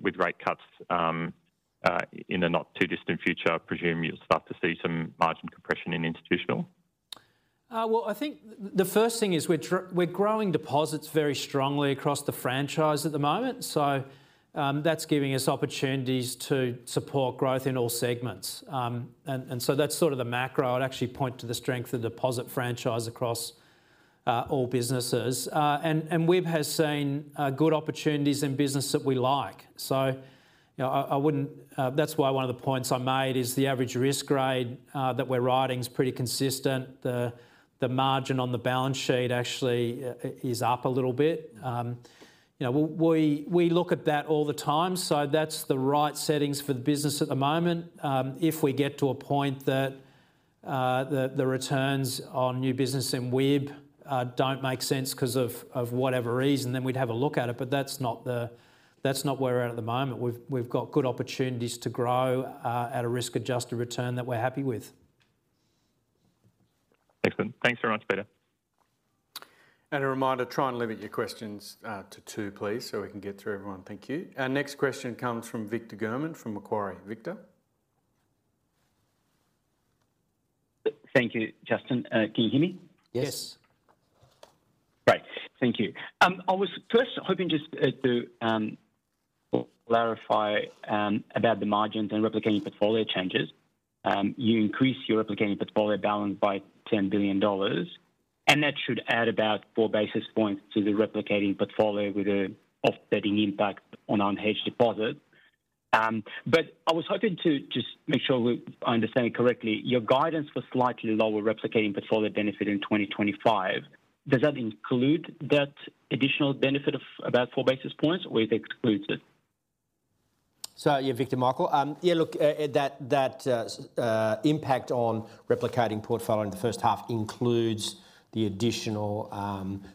Speaker 7: with rate cuts in the not too distant future, I presume you'll start to see some margin compression in institutional.
Speaker 2: I think the first thing is we're growing deposits very strongly across the franchise at the moment. So that's giving us opportunities to support growth in all segments. And so that's sort of the macro. I'd actually point to the strength of the deposit franchise across all businesses. And WIB has seen good opportunities in business that we like. So that's why one of the points I made is the average risk grade that we're writing is pretty consistent. The margin on the balance sheet actually is up a little bit. We look at that all the time. So that's the right settings for the business at the moment. If we get to a point that the returns on new business in WIB don't make sense because of whatever reason, then we'd have a look at it. But that's not where we're at the moment. We've got good opportunities to grow at a risk-adjusted return that we're happy with.
Speaker 7: Excellent. Thanks very much, Peter.
Speaker 1: And a reminder, try and limit your questions to 2, please, so we can get through everyone. Thank you. Our next question comes from Victor German from Macquarie. Victor.
Speaker 8: Thank you, Justin. Can you hear me? Yes. Great. Thank you. I was first hoping just to clarify about the margins and replicating portfolio changes. You increase your replicating portfolio balance by 10 billion dollars, and that should add about 4 basis points to the replicating portfolio with an offsetting impact on unhedged deposits. But I was hoping to just make sure I understand it correctly. Your guidance for slightly lower replicating portfolio benefit in 2025, does that include that additional benefit of about 4 basis points, or is it exclusive?
Speaker 3: Sorry, Victor, Michael. Yeah, look, that impact on replicating portfolio in the first half includes the additional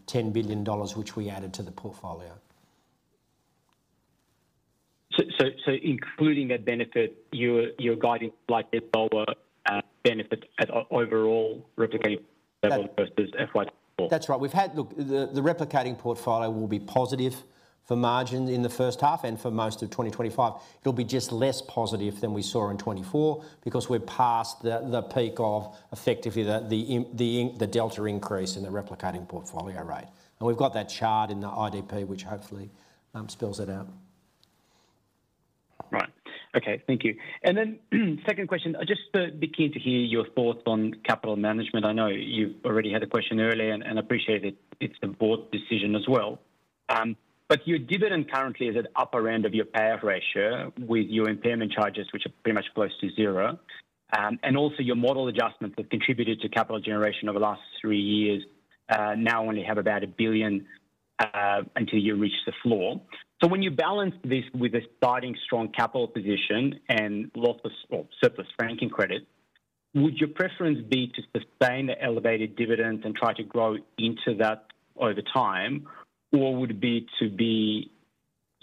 Speaker 3: 10 billion dollars, which we added to the portfolio.
Speaker 8: So including that benefit, you're guiding like a lower benefit at overall replicating portfolio versus FY24?
Speaker 3: That's right. Look, the replicating portfolio will be positive for margin in the first half and for most of 2025. It'll be just less positive than we saw in 2024 because we're past the peak of effectively the delta increase in the replicating portfolio rate. And we've got that chart in the IDP, which hopefully spells it out.
Speaker 8: Right. Okay. Thank you. And then second question, just to be keen to hear your thoughts on capital management. I know you already had a question earlier and appreciated it's the board decision as well. But your dividend currently is at upper end of your payout ratio with your impairment charges, which are pretty much close to zero. And also your model adjustments have contributed to capital generation over the last 3 years. Now only have about 1 billion until you reach the floor. So when you balance this with a starting strong capital position and surplus franking credit, would your preference be to sustain the elevated dividends and try to grow into that over time, or would it be to be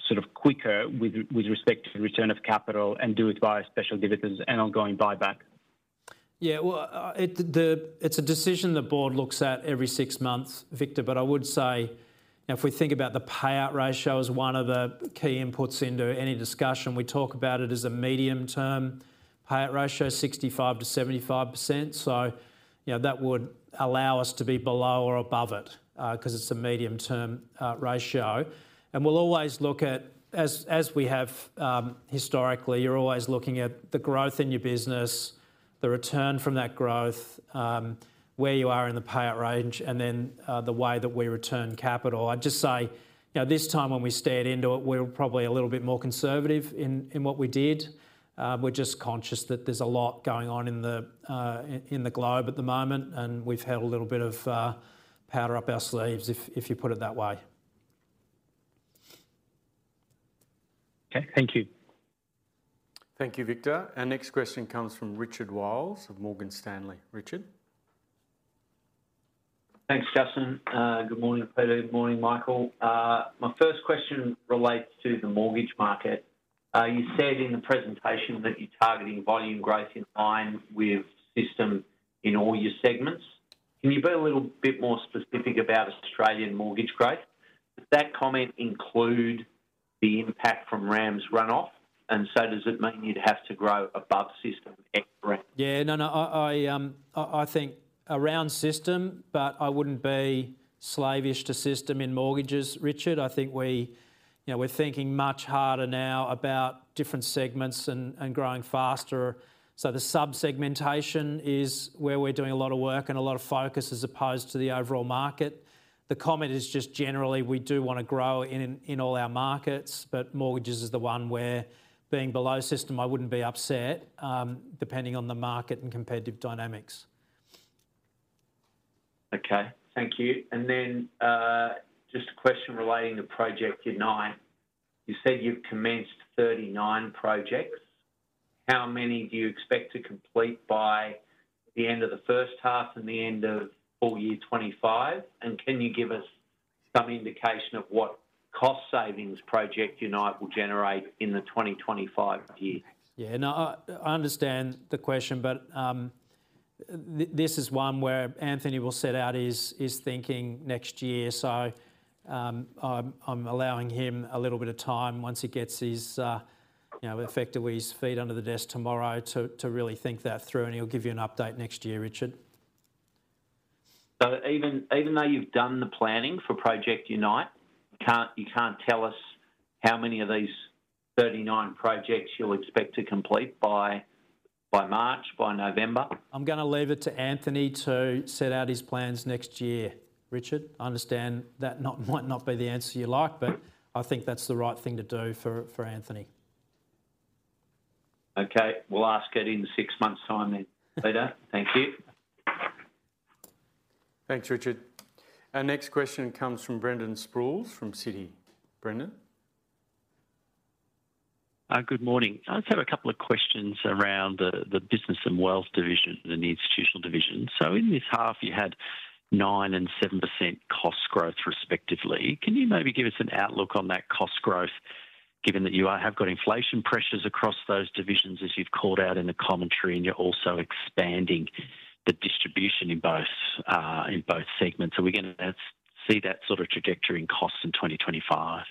Speaker 8: sort of quicker with respect to return of capital and do it via special dividends and ongoing buyback?
Speaker 2: Yeah, well, it's a decision the board looks at every 6 months, Victor, but I would say if we think about the payout ratio as one of the key inputs into any discussion, we talk about it as a medium-term payout ratio, 65%-75%. So that would allow us to be below or above it because it's a medium-term ratio. We'll always look at, as we have historically, you're always looking at the growth in your business, the return from that growth, where you are in the payout range, and then the way that we return capital. I'd just say this time when we steered into it, we were probably a little bit more conservative in what we did. We're just conscious that there's a lot going on in the globe at the moment, and we've had a little bit of powder up our sleeves, if you put it that way.
Speaker 8: Okay. Thank you.
Speaker 1: Thank you, Victor. Our next question comes from Richard Wiles of Morgan Stanley. Richard.
Speaker 9: Thanks, Justin. Good morning, Peter. Good morning, Michael. My first question relates to the mortgage market. You said in the presentation that you're targeting volume growth in line with system in all your segments. Can you be a little bit more specific about Australian mortgage growth? Does that comment include the impact from RAMS's runoff? And so does it mean you'd have to grow above system?
Speaker 2: Yeah, no, no. I think around system, but I wouldn't be slavish to system in mortgages, Richard. I think we're thinking much harder now about different segments and growing faster. So the subsegmentation is where we're doing a lot of work and a lot of focus as opposed to the overall market. The comment is just generally we do want to grow in all our markets, but mortgages is the one where being below system, I wouldn't be upset depending on the market and competitive dynamics.
Speaker 9: Okay. Thank you. And then just a question relating to Project Unite. You said you've commenced 39 projects. How many do you expect to complete by the end of the first half and the end of full year 2025? And can you give us some indication of what cost savings Project Unite will generate in the 2025 year?
Speaker 2: Yeah, no, I understand the question, but this is one where Anthony will set out his thinking next year. So I'm allowing him a little bit of time once he gets effectively his feet under the desk tomorrow to really think that through, and he'll give you an update next year, Richard.
Speaker 9: So even though you've done the planning for Project Unite, you can't tell us how many of these 39 projects you'll expect to complete by March, by November?
Speaker 2: I'm going to leave it to Anthony to set out his plans next year. Richard, I understand that might not be the answer you like, but I think that's the right thing to do for Anthony.
Speaker 9: Okay. We'll ask it in 6 months' time then, Peter. Thank you.
Speaker 1: Thanks, Richard. Our next question comes from Brendan Sproules from Citi. Brendan.
Speaker 10: Good morning. I just have a couple of questions around the business and wealth division, the institutional division. So in this half, you had 9 and 7% cost growth respectively. Can you maybe give us an outlook on that cost growth, given that you have got inflation pressures across those divisions, as you've called out in the commentary, and you're also expanding the distribution in both segments? Are we going to see that sort of trajectory in costs in 2025?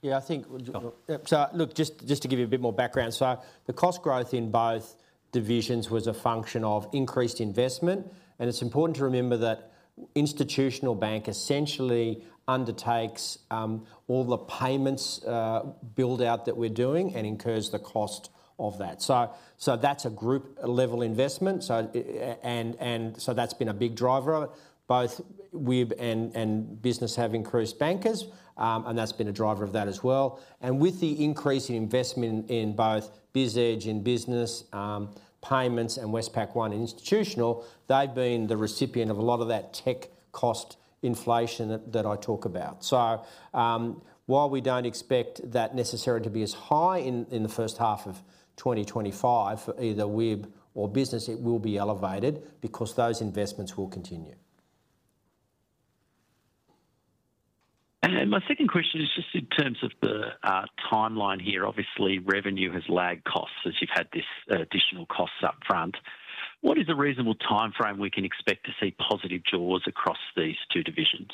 Speaker 2: Yeah, I think look, just to give you a bit more background. So the cost growth in both divisions was a function of increased investment, and it's important to remember that institutional bank essentially undertakes all the payments build-out that we're doing and incurs the cost of that. So that's a group-level investment, and so that's been a big driver of it. Both WIB and business have increased bankers, and that's been a driver of that as well, and with the increase in investment in both BizEdge and business payments and Westpac One and institutional, they've been the recipient of a lot of that tech cost inflation that I talk about. So while we don't expect that necessarily to be as high in the first half of 2025 for either WIB or business, it will be elevated because those investments will continue.
Speaker 10: My second question is just in terms of the timeline here. Obviously, revenue has lagged costs as you've had this additional costs upfront. What is a reasonable timeframe we can expect to see positive jaws across these 2 divisions?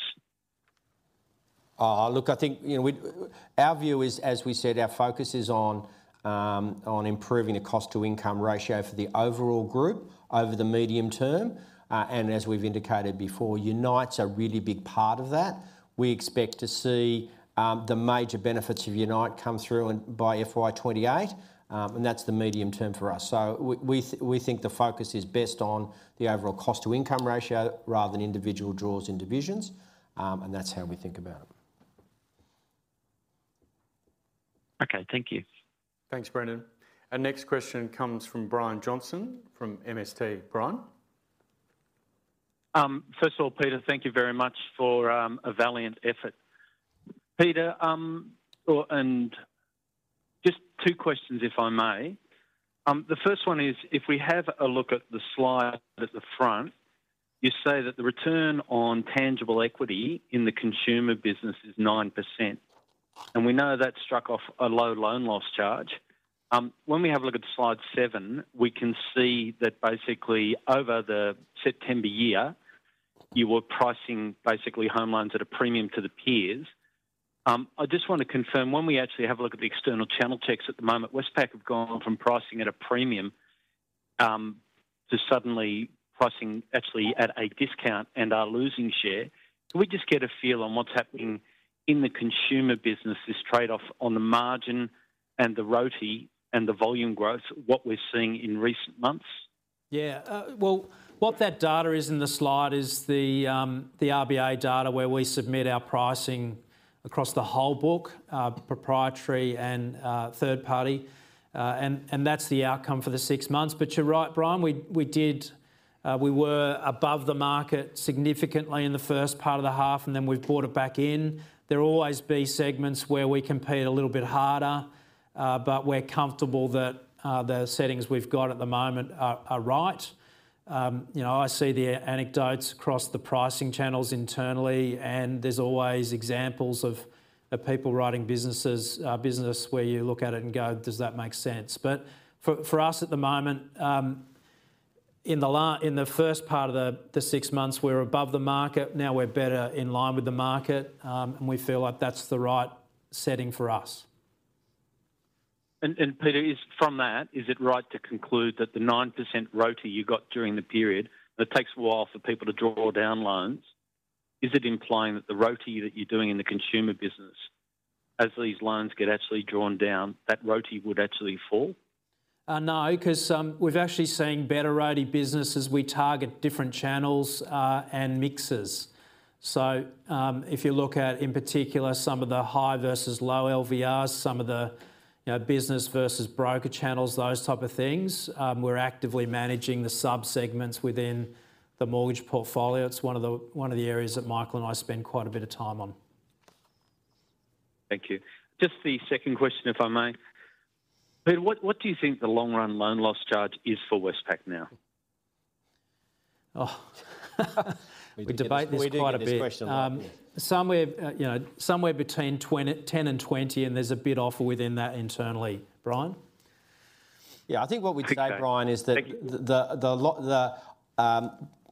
Speaker 2: Look, I think our view is, as we said, our focus is on improving the cost-to-income ratio for the overall group over the medium term. And as we've indicated before, Unite's a really big part of that. We expect to see the major benefits of Unite come through by FY28, and that's the medium term for us. So we think the focus is best on the overall cost-to-income ratio rather than individual jaws in divisions, and that's how we think about it.
Speaker 10: Okay. Thank you. Thanks, Brendan. Our next question comes from Brian Johnson from MST. Brian.
Speaker 11: First of all, Peter, thank you very much for a valiant effort. Peter, and just 2 questions if I may. The first one is, if we have a look at the slide at the front, you say that the return on tangible equity in the consumer business is 9%. And we know that struck off a low loan loss charge. When we have a look at slide 7, we can see that basically over the September year, you were pricing basically home loans at a premium to the peers. I just want to confirm when we actually have a look at the external channel checks at the moment, Westpac have gone from pricing at a premium to suddenly pricing actually at a discount and are losing share. Can we just get a feel on what's happening in the consumer business, this trade-off on the margin and the ROTE and the volume growth, what we're seeing in recent months? Yeah.
Speaker 2: What that data is in the slide is the RBA data where we submit our pricing across the whole book, proprietary and third party. That's the outcome for the 6 months. But you're right, Brian, we were above the market significantly in the first part of the half, and then we've brought it back in. There will always be segments where we compete a little bit harder, but we're comfortable that the settings we've got at the moment are right. I see the anecdotes across the pricing channels internally, and there's always examples of people writing business where you look at it and go, "Does that make sense?" But for us at the moment, in the first part of the 6 months, we were above the market. Now we're better in line with the market, and we feel like that's the right setting for us.
Speaker 11: Peter, from that, is it right to conclude that the 9% ROTE you got during the period, it takes a while for people to draw down loans? Is it implying that the ROTE that you're doing in the consumer business, as these loans get actually drawn down, that ROTE would actually fall?
Speaker 2: No, because we've actually seen better ROTE business as we target different channels and mixes. So if you look at, in particular, some of the high versus low LVRs, some of the business versus broker channels, those type of things, we're actively managing the subsegments within the mortgage portfolio. It's one of the areas that Michael and I spend quite a bit of time on.
Speaker 11: Thank you. Just the second question, if I may. Peter, what do you think the long-run loan loss charge is for Westpac now? We debate this quite a bit.
Speaker 2: Somewhere between 10 and 20, and there's a bit off within that internally. Brian?
Speaker 3: Yeah, I think what we'd say, Brian, is that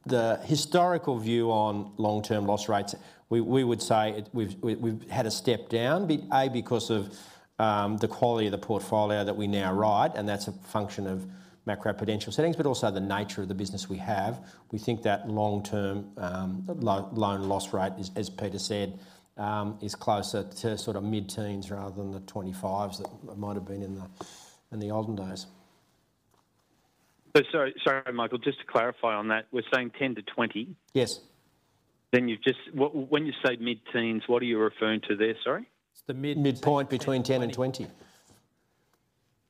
Speaker 3: the historical view on long-term loss rates, we would say we've had a step down, A, because of the quality of the portfolio that we now write, and that's a function of macroprudential settings, but also the nature of the business we have. We think that long-term loan loss rate, as Peter said, is closer to sort of mid-teens rather than the 25s that might have been in the olden days.
Speaker 11: Sorry, Michael, just to clarify on that, we're saying 10 to 20? Yes. Then when you say mid-teens, what are you referring to there, sorry? It's the midpoint between 10 and 20.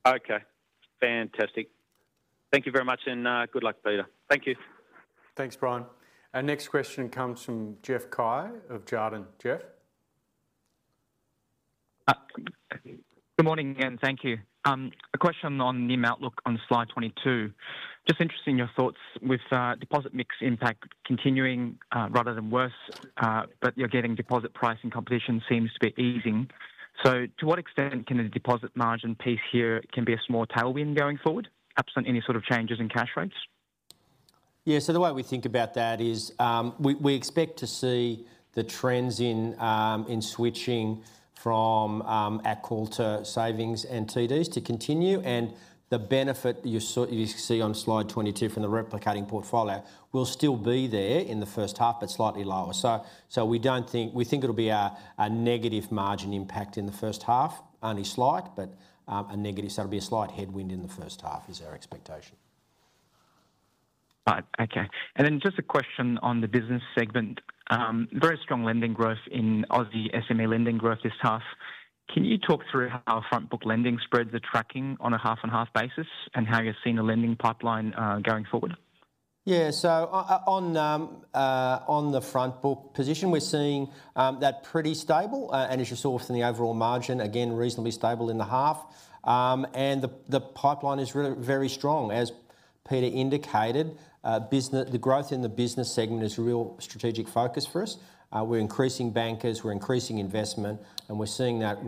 Speaker 11: Okay. Fantastic. Thank you very much, and good luck, Peter. Thank you.
Speaker 1: Thanks, Brian. Our next question comes from Jeff Cai of Jarden. Jeff.
Speaker 12: Good morning again. Thank you. A question on the outlook on slide 22. Just interested in your thoughts with deposit mix impact continuing rather than worse, but you're getting deposit price and competition seems to be easing. So to what extent can the deposit margin piece here be a small tailwind going forward, absent any sort of changes in cash rates?
Speaker 2: Yeah, so the way we think about that is we expect to see the trends in switching from at-call to savings and TDs to continue, and the benefit you see on slide 22 from the replicating portfolio will still be there in the first half, but slightly lower. So we think it'll be a negative margin impact in the first half, only slight, but a negative. So it'll be a slight headwind in the first half is our expectation. Right. Okay.
Speaker 12: And then just a question on the business segment. Very strong lending growth in Aussie SME lending growth this half. Can you talk through how front book lending spreads are tracking on a half-and-half basis and how you're seeing the lending pipeline going forward?
Speaker 2: Yeah. So on the front book position, we're seeing that pretty stable, and as you saw from the overall margin, again, reasonably stable in the half. And the pipeline is very strong. As Peter indicated, the growth in the business segment is a real strategic focus for us. We're increasing bankers, we're increasing investment, and we're seeing that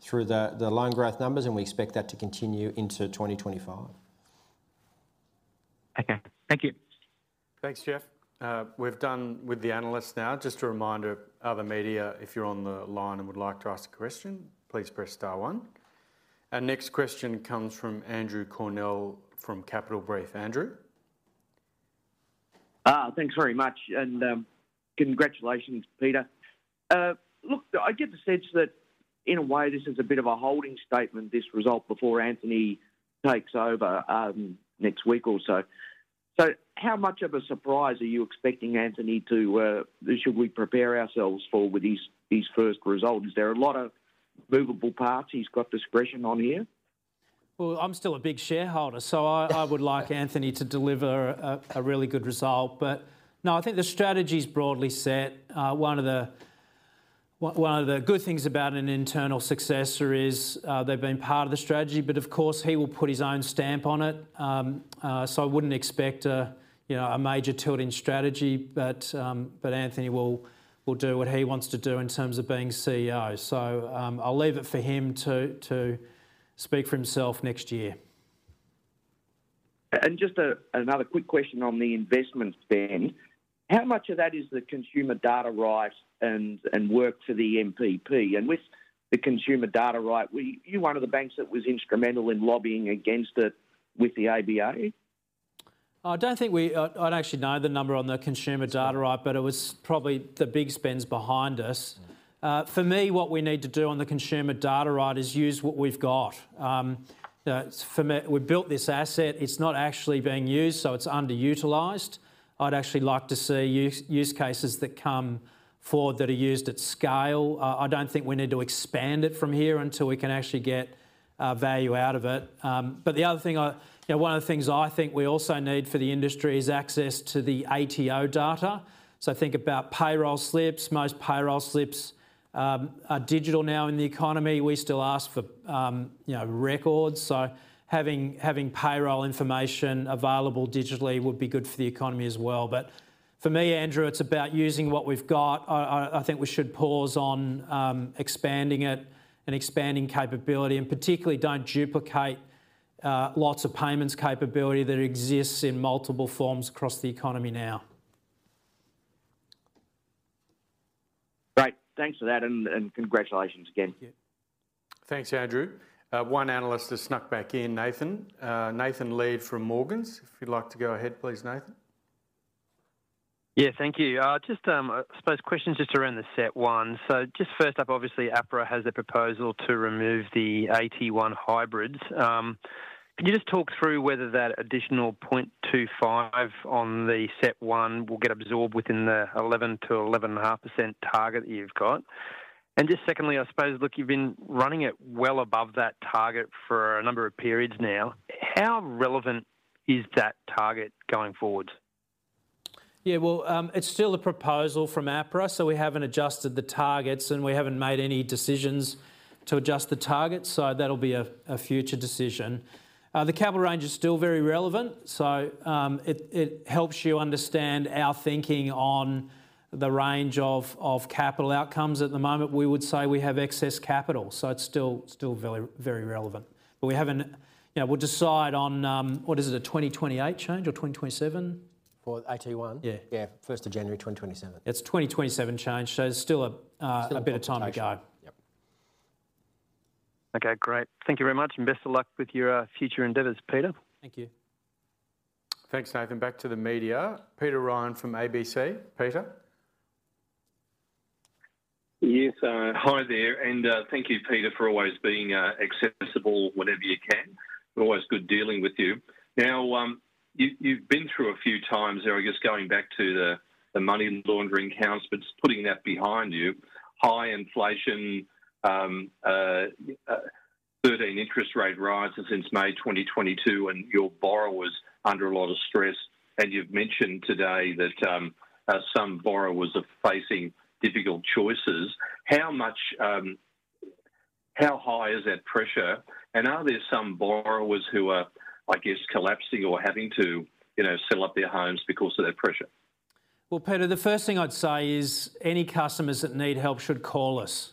Speaker 2: through the loan growth numbers, and we expect that to continue into 2025.
Speaker 12: Okay. Thank you.
Speaker 1: Thanks, Jeff. We've done with the analysts now. Just a reminder, other media, if you're on the line and would like to ask a question, please press star one. Our next question comes from Andrew Cleary from Capital Brief. Andrew.
Speaker 13: Thanks very much. And congratulations, Peter. Look, I get the sense that in a way, this is a bit of a holding statement, this result before Anthony takes over next week or so. So how much of a surprise are you expecting Anthony to should we prepare ourselves for with these first results? Is there a lot of moving parts he's got discretion on here?
Speaker 2: Well, I'm still a big shareholder, so I would like Anthony to deliver a really good result. But no, I think the strategy is broadly set. One of the good things about an internal successor is they've been part of the strategy, but of course, he will put his own stamp on it. So I wouldn't expect a major tilt in strategy, but Anthony will do what he wants to do in terms of being CEO. So I'll leave it for him to speak for himself next year.
Speaker 13: And just another quick question on the investment spend. How much of that is the Consumer Data Right and work for the NPP? And with the Consumer Data Right, were you one of the banks that was instrumental in lobbying against it with the ABA?
Speaker 2: I don't actually know the number on the Consumer Data Right, but it was probably the big spends behind us. For me, what we need to do on the Consumer Data Right is use what we've got. We built this asset. It's not actually being used, so it's underutilized. I'd actually like to see use cases that come forward that are used at scale. I don't think we need to expand it from here until we can actually get value out of it. But the other thing, one of the things I think we also need for the industry is access to the ATO data. So think about payroll slips. Most payroll slips are digital now in the economy. We still ask for records. So having payroll information available digitally would be good for the economy as well. But for me, Andrew, it's about using what we've got. I think we should pause on expanding it and expanding capability, and particularly don't duplicate lots of payments capability that exists in multiple forms across the economy now.
Speaker 13: Great. Thanks for that, and congratulations again. Thank you. Thanks, Andrew. One analyst has snuck back in, Nathan. Nathan Lead from Morgans. If you'd like to go ahead, please, Nathan.
Speaker 14: Yeah, thank you. Just, I suppose, questions just around the CET1. So just first up, obviously, APRA has a proposal to remove the AT1 hybrids. Can you just talk through whether that additional 0.25 on the CET1 will get absorbed within the 11%-11.5% target that you've got? And just secondly, I suppose, look, you've been running it well above that target for a number of periods now. How relevant is that target going forward?
Speaker 2: Yeah, well, it's still a proposal from APRA, so we haven't adjusted the targets, and we haven't made any decisions to adjust the targets, so that'll be a future decision. The capital range is still very relevant, so it helps you understand our thinking on the range of capital outcomes. At the moment, we would say we have excess capital, so it's still very relevant.
Speaker 3: But we haven't. We'll decide on what is it, a 2028 change or 2027? For AT1? Yeah. Yeah, 1st of January, 2027.
Speaker 2: It's a 2027 change, so there's still a bit of time to go.
Speaker 14: Okay, great. Thank you very much, and best of luck with your future endeavors, Peter. Thank you.
Speaker 1: Thanks, Nathan. Back to the media. Peter Ryan from ABC. Peter.
Speaker 15: Yes, hi there, and thank you, Peter, for always being accessible whenever you can. We're always good dealing with you. Now, you've been through a few times there, I guess, going back to the money laundering counts, but just putting that behind you. High inflation, 13 interest rate rises since May 2022, and your borrowers under a lot of stress, and you've mentioned today that some borrowers are facing difficult choices. How high is that pressure, and are there some borrowers who are, I guess, collapsing or having to sell up their homes because of that pressure?
Speaker 2: Well, Peter, the first thing I'd say is any customers that need help should call us.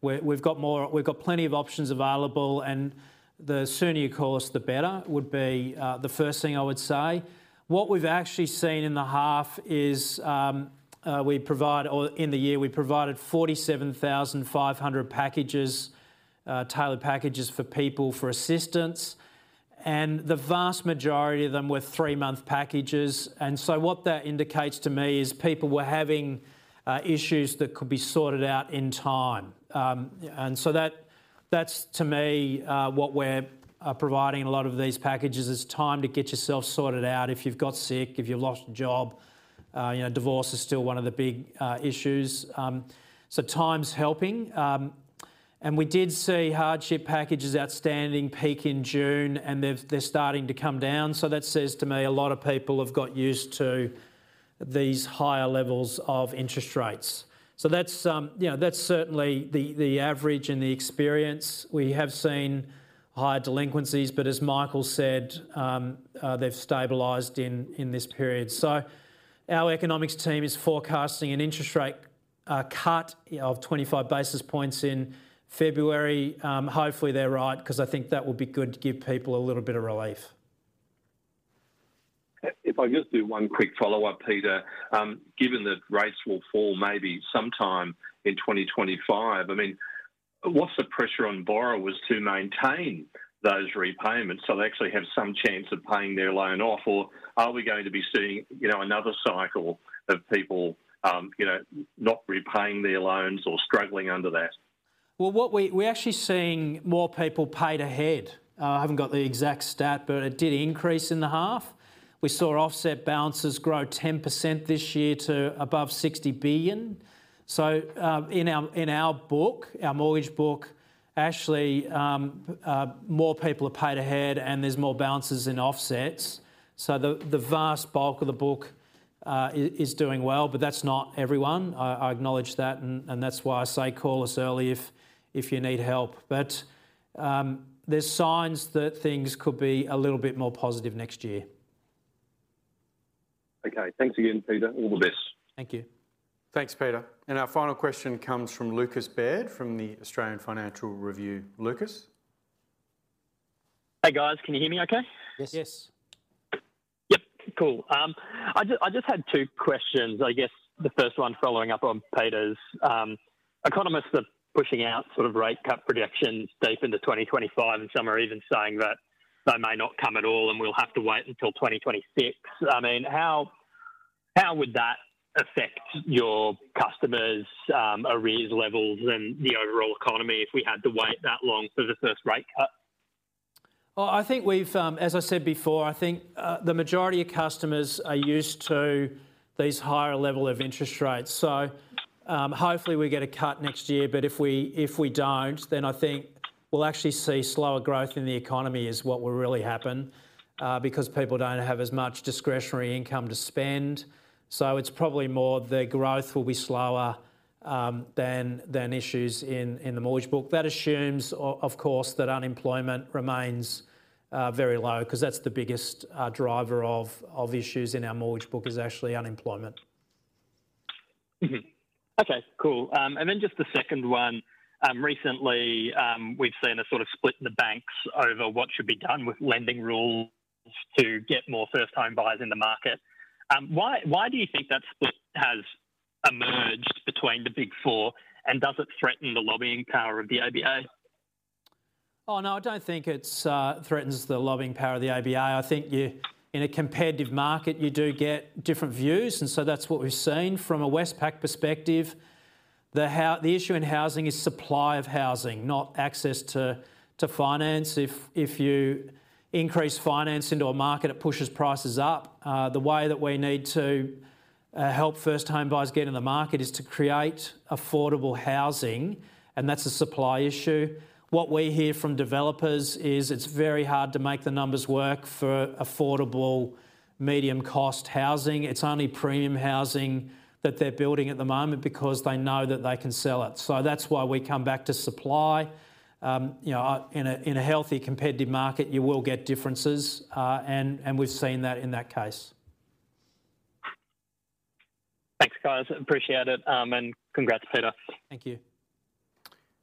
Speaker 2: We've got plenty of options available, and the sooner you call us, the better would be the first thing I would say. What we've actually seen in the half is we provide, or in the year, we provided 47,500 tailored packages for people for assistance, and the vast majority of them were three-month packages. And so what that indicates to me is people were having issues that could be sorted out in time. And so that's, to me, what we're providing a lot of these packages is time to get yourself sorted out if you've got sick, if you've lost a job. Divorce is still one of the big issues. So time's helping. And we did see hardship packages outstanding peak in June, and they're starting to come down. So that says to me a lot of people have got used to these higher levels of interest rates. So that's certainly the average and the experience. We have seen higher delinquencies, but as Michael said, they've stabilized in this period. So our economics team is forecasting an interest rate cut of 25 basis points in February. Hopefully, they're right because I think that would be good to give people a little bit of relief.
Speaker 15: If I just do one quick follow-up, Peter, given that rates will fall maybe sometime in 2025, I mean, what's the pressure on borrowers to maintain those repayments so they actually have some chance of paying their loan off, or are we going to be seeing another cycle of people not repaying their loans or struggling under that?
Speaker 2: Well, we're actually seeing more people paid ahead. I haven't got the exact stat, but it did increase in the half. We saw offset balances grow 10% this year to above 60 billion. So in our book, our mortgage book, actually more people are paid ahead and there's more balances in offsets. So the vast bulk of the book is doing well, but that's not everyone. I acknowledge that, and that's why I say call us early if you need help. But there's signs that things could be a little bit more positive next year.
Speaker 15: Okay. Thanks again, Peter. All the best. Thank you.
Speaker 1: Thanks, Peter. And our final question comes from Lucas Baird from the Australian Financial Review. Lucas?
Speaker 16: Hey, guys, can you hear me okay? Yes. Yep. Cool. I just had 2 questions. I guess the first one following up on Peter's. Economists are pushing out sort of rate cut projections deep into 2025, and some are even saying that they may not come at all and we'll have to wait until 2026. I mean, how would that affect your customers' arrears levels and the overall economy if we had to wait that long for the first rate cut?
Speaker 2: Well, I think we've, as I said before, I think the majority of customers are used to these higher levels of interest rates. So hopefully we get a cut next year, but if we don't, then I think we'll actually see slower growth in the economy is what will really happen because people don't have as much discretionary income to spend. So it's probably more the growth will be slower than issues in the mortgage book. That assumes, of course, that unemployment remains very low because that's the biggest driver of issues in our mortgage book is actually unemployment.
Speaker 16: Okay. Cool. And then just the second one. Recently, we've seen a sort of split in the banks over what should be done with lending rules to get more first-time buyers in the market. Why do you think that split has emerged between the big four, and does it threaten the lobbying power of the ABA?
Speaker 2: Oh, no, I don't think it threatens the lobbying power of the ABA. I think in a competitive market, you do get different views, and so that's what we've seen from a Westpac perspective. The issue in housing is supply of housing, not access to finance. If you increase finance into a market, it pushes prices up. The way that we need to help first-time buyers get in the market is to create affordable housing, and that's a supply issue. What we hear from developers is it's very hard to make the numbers work for affordable medium-cost housing. It's only premium housing that they're building at the moment because they know that they can sell it. So that's why we come back to supply. In a healthy competitive market, you will get differences, and we've seen that in that case.
Speaker 16: Thanks, guys. Appreciate it, and congrats, Peter. Thank you.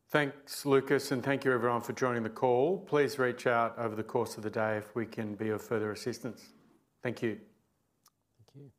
Speaker 1: Thanks, Lucas, and thank you, everyone, for joining the call. Please reach out over the course of the day if we can be of further assistance. Thank you. Thank you.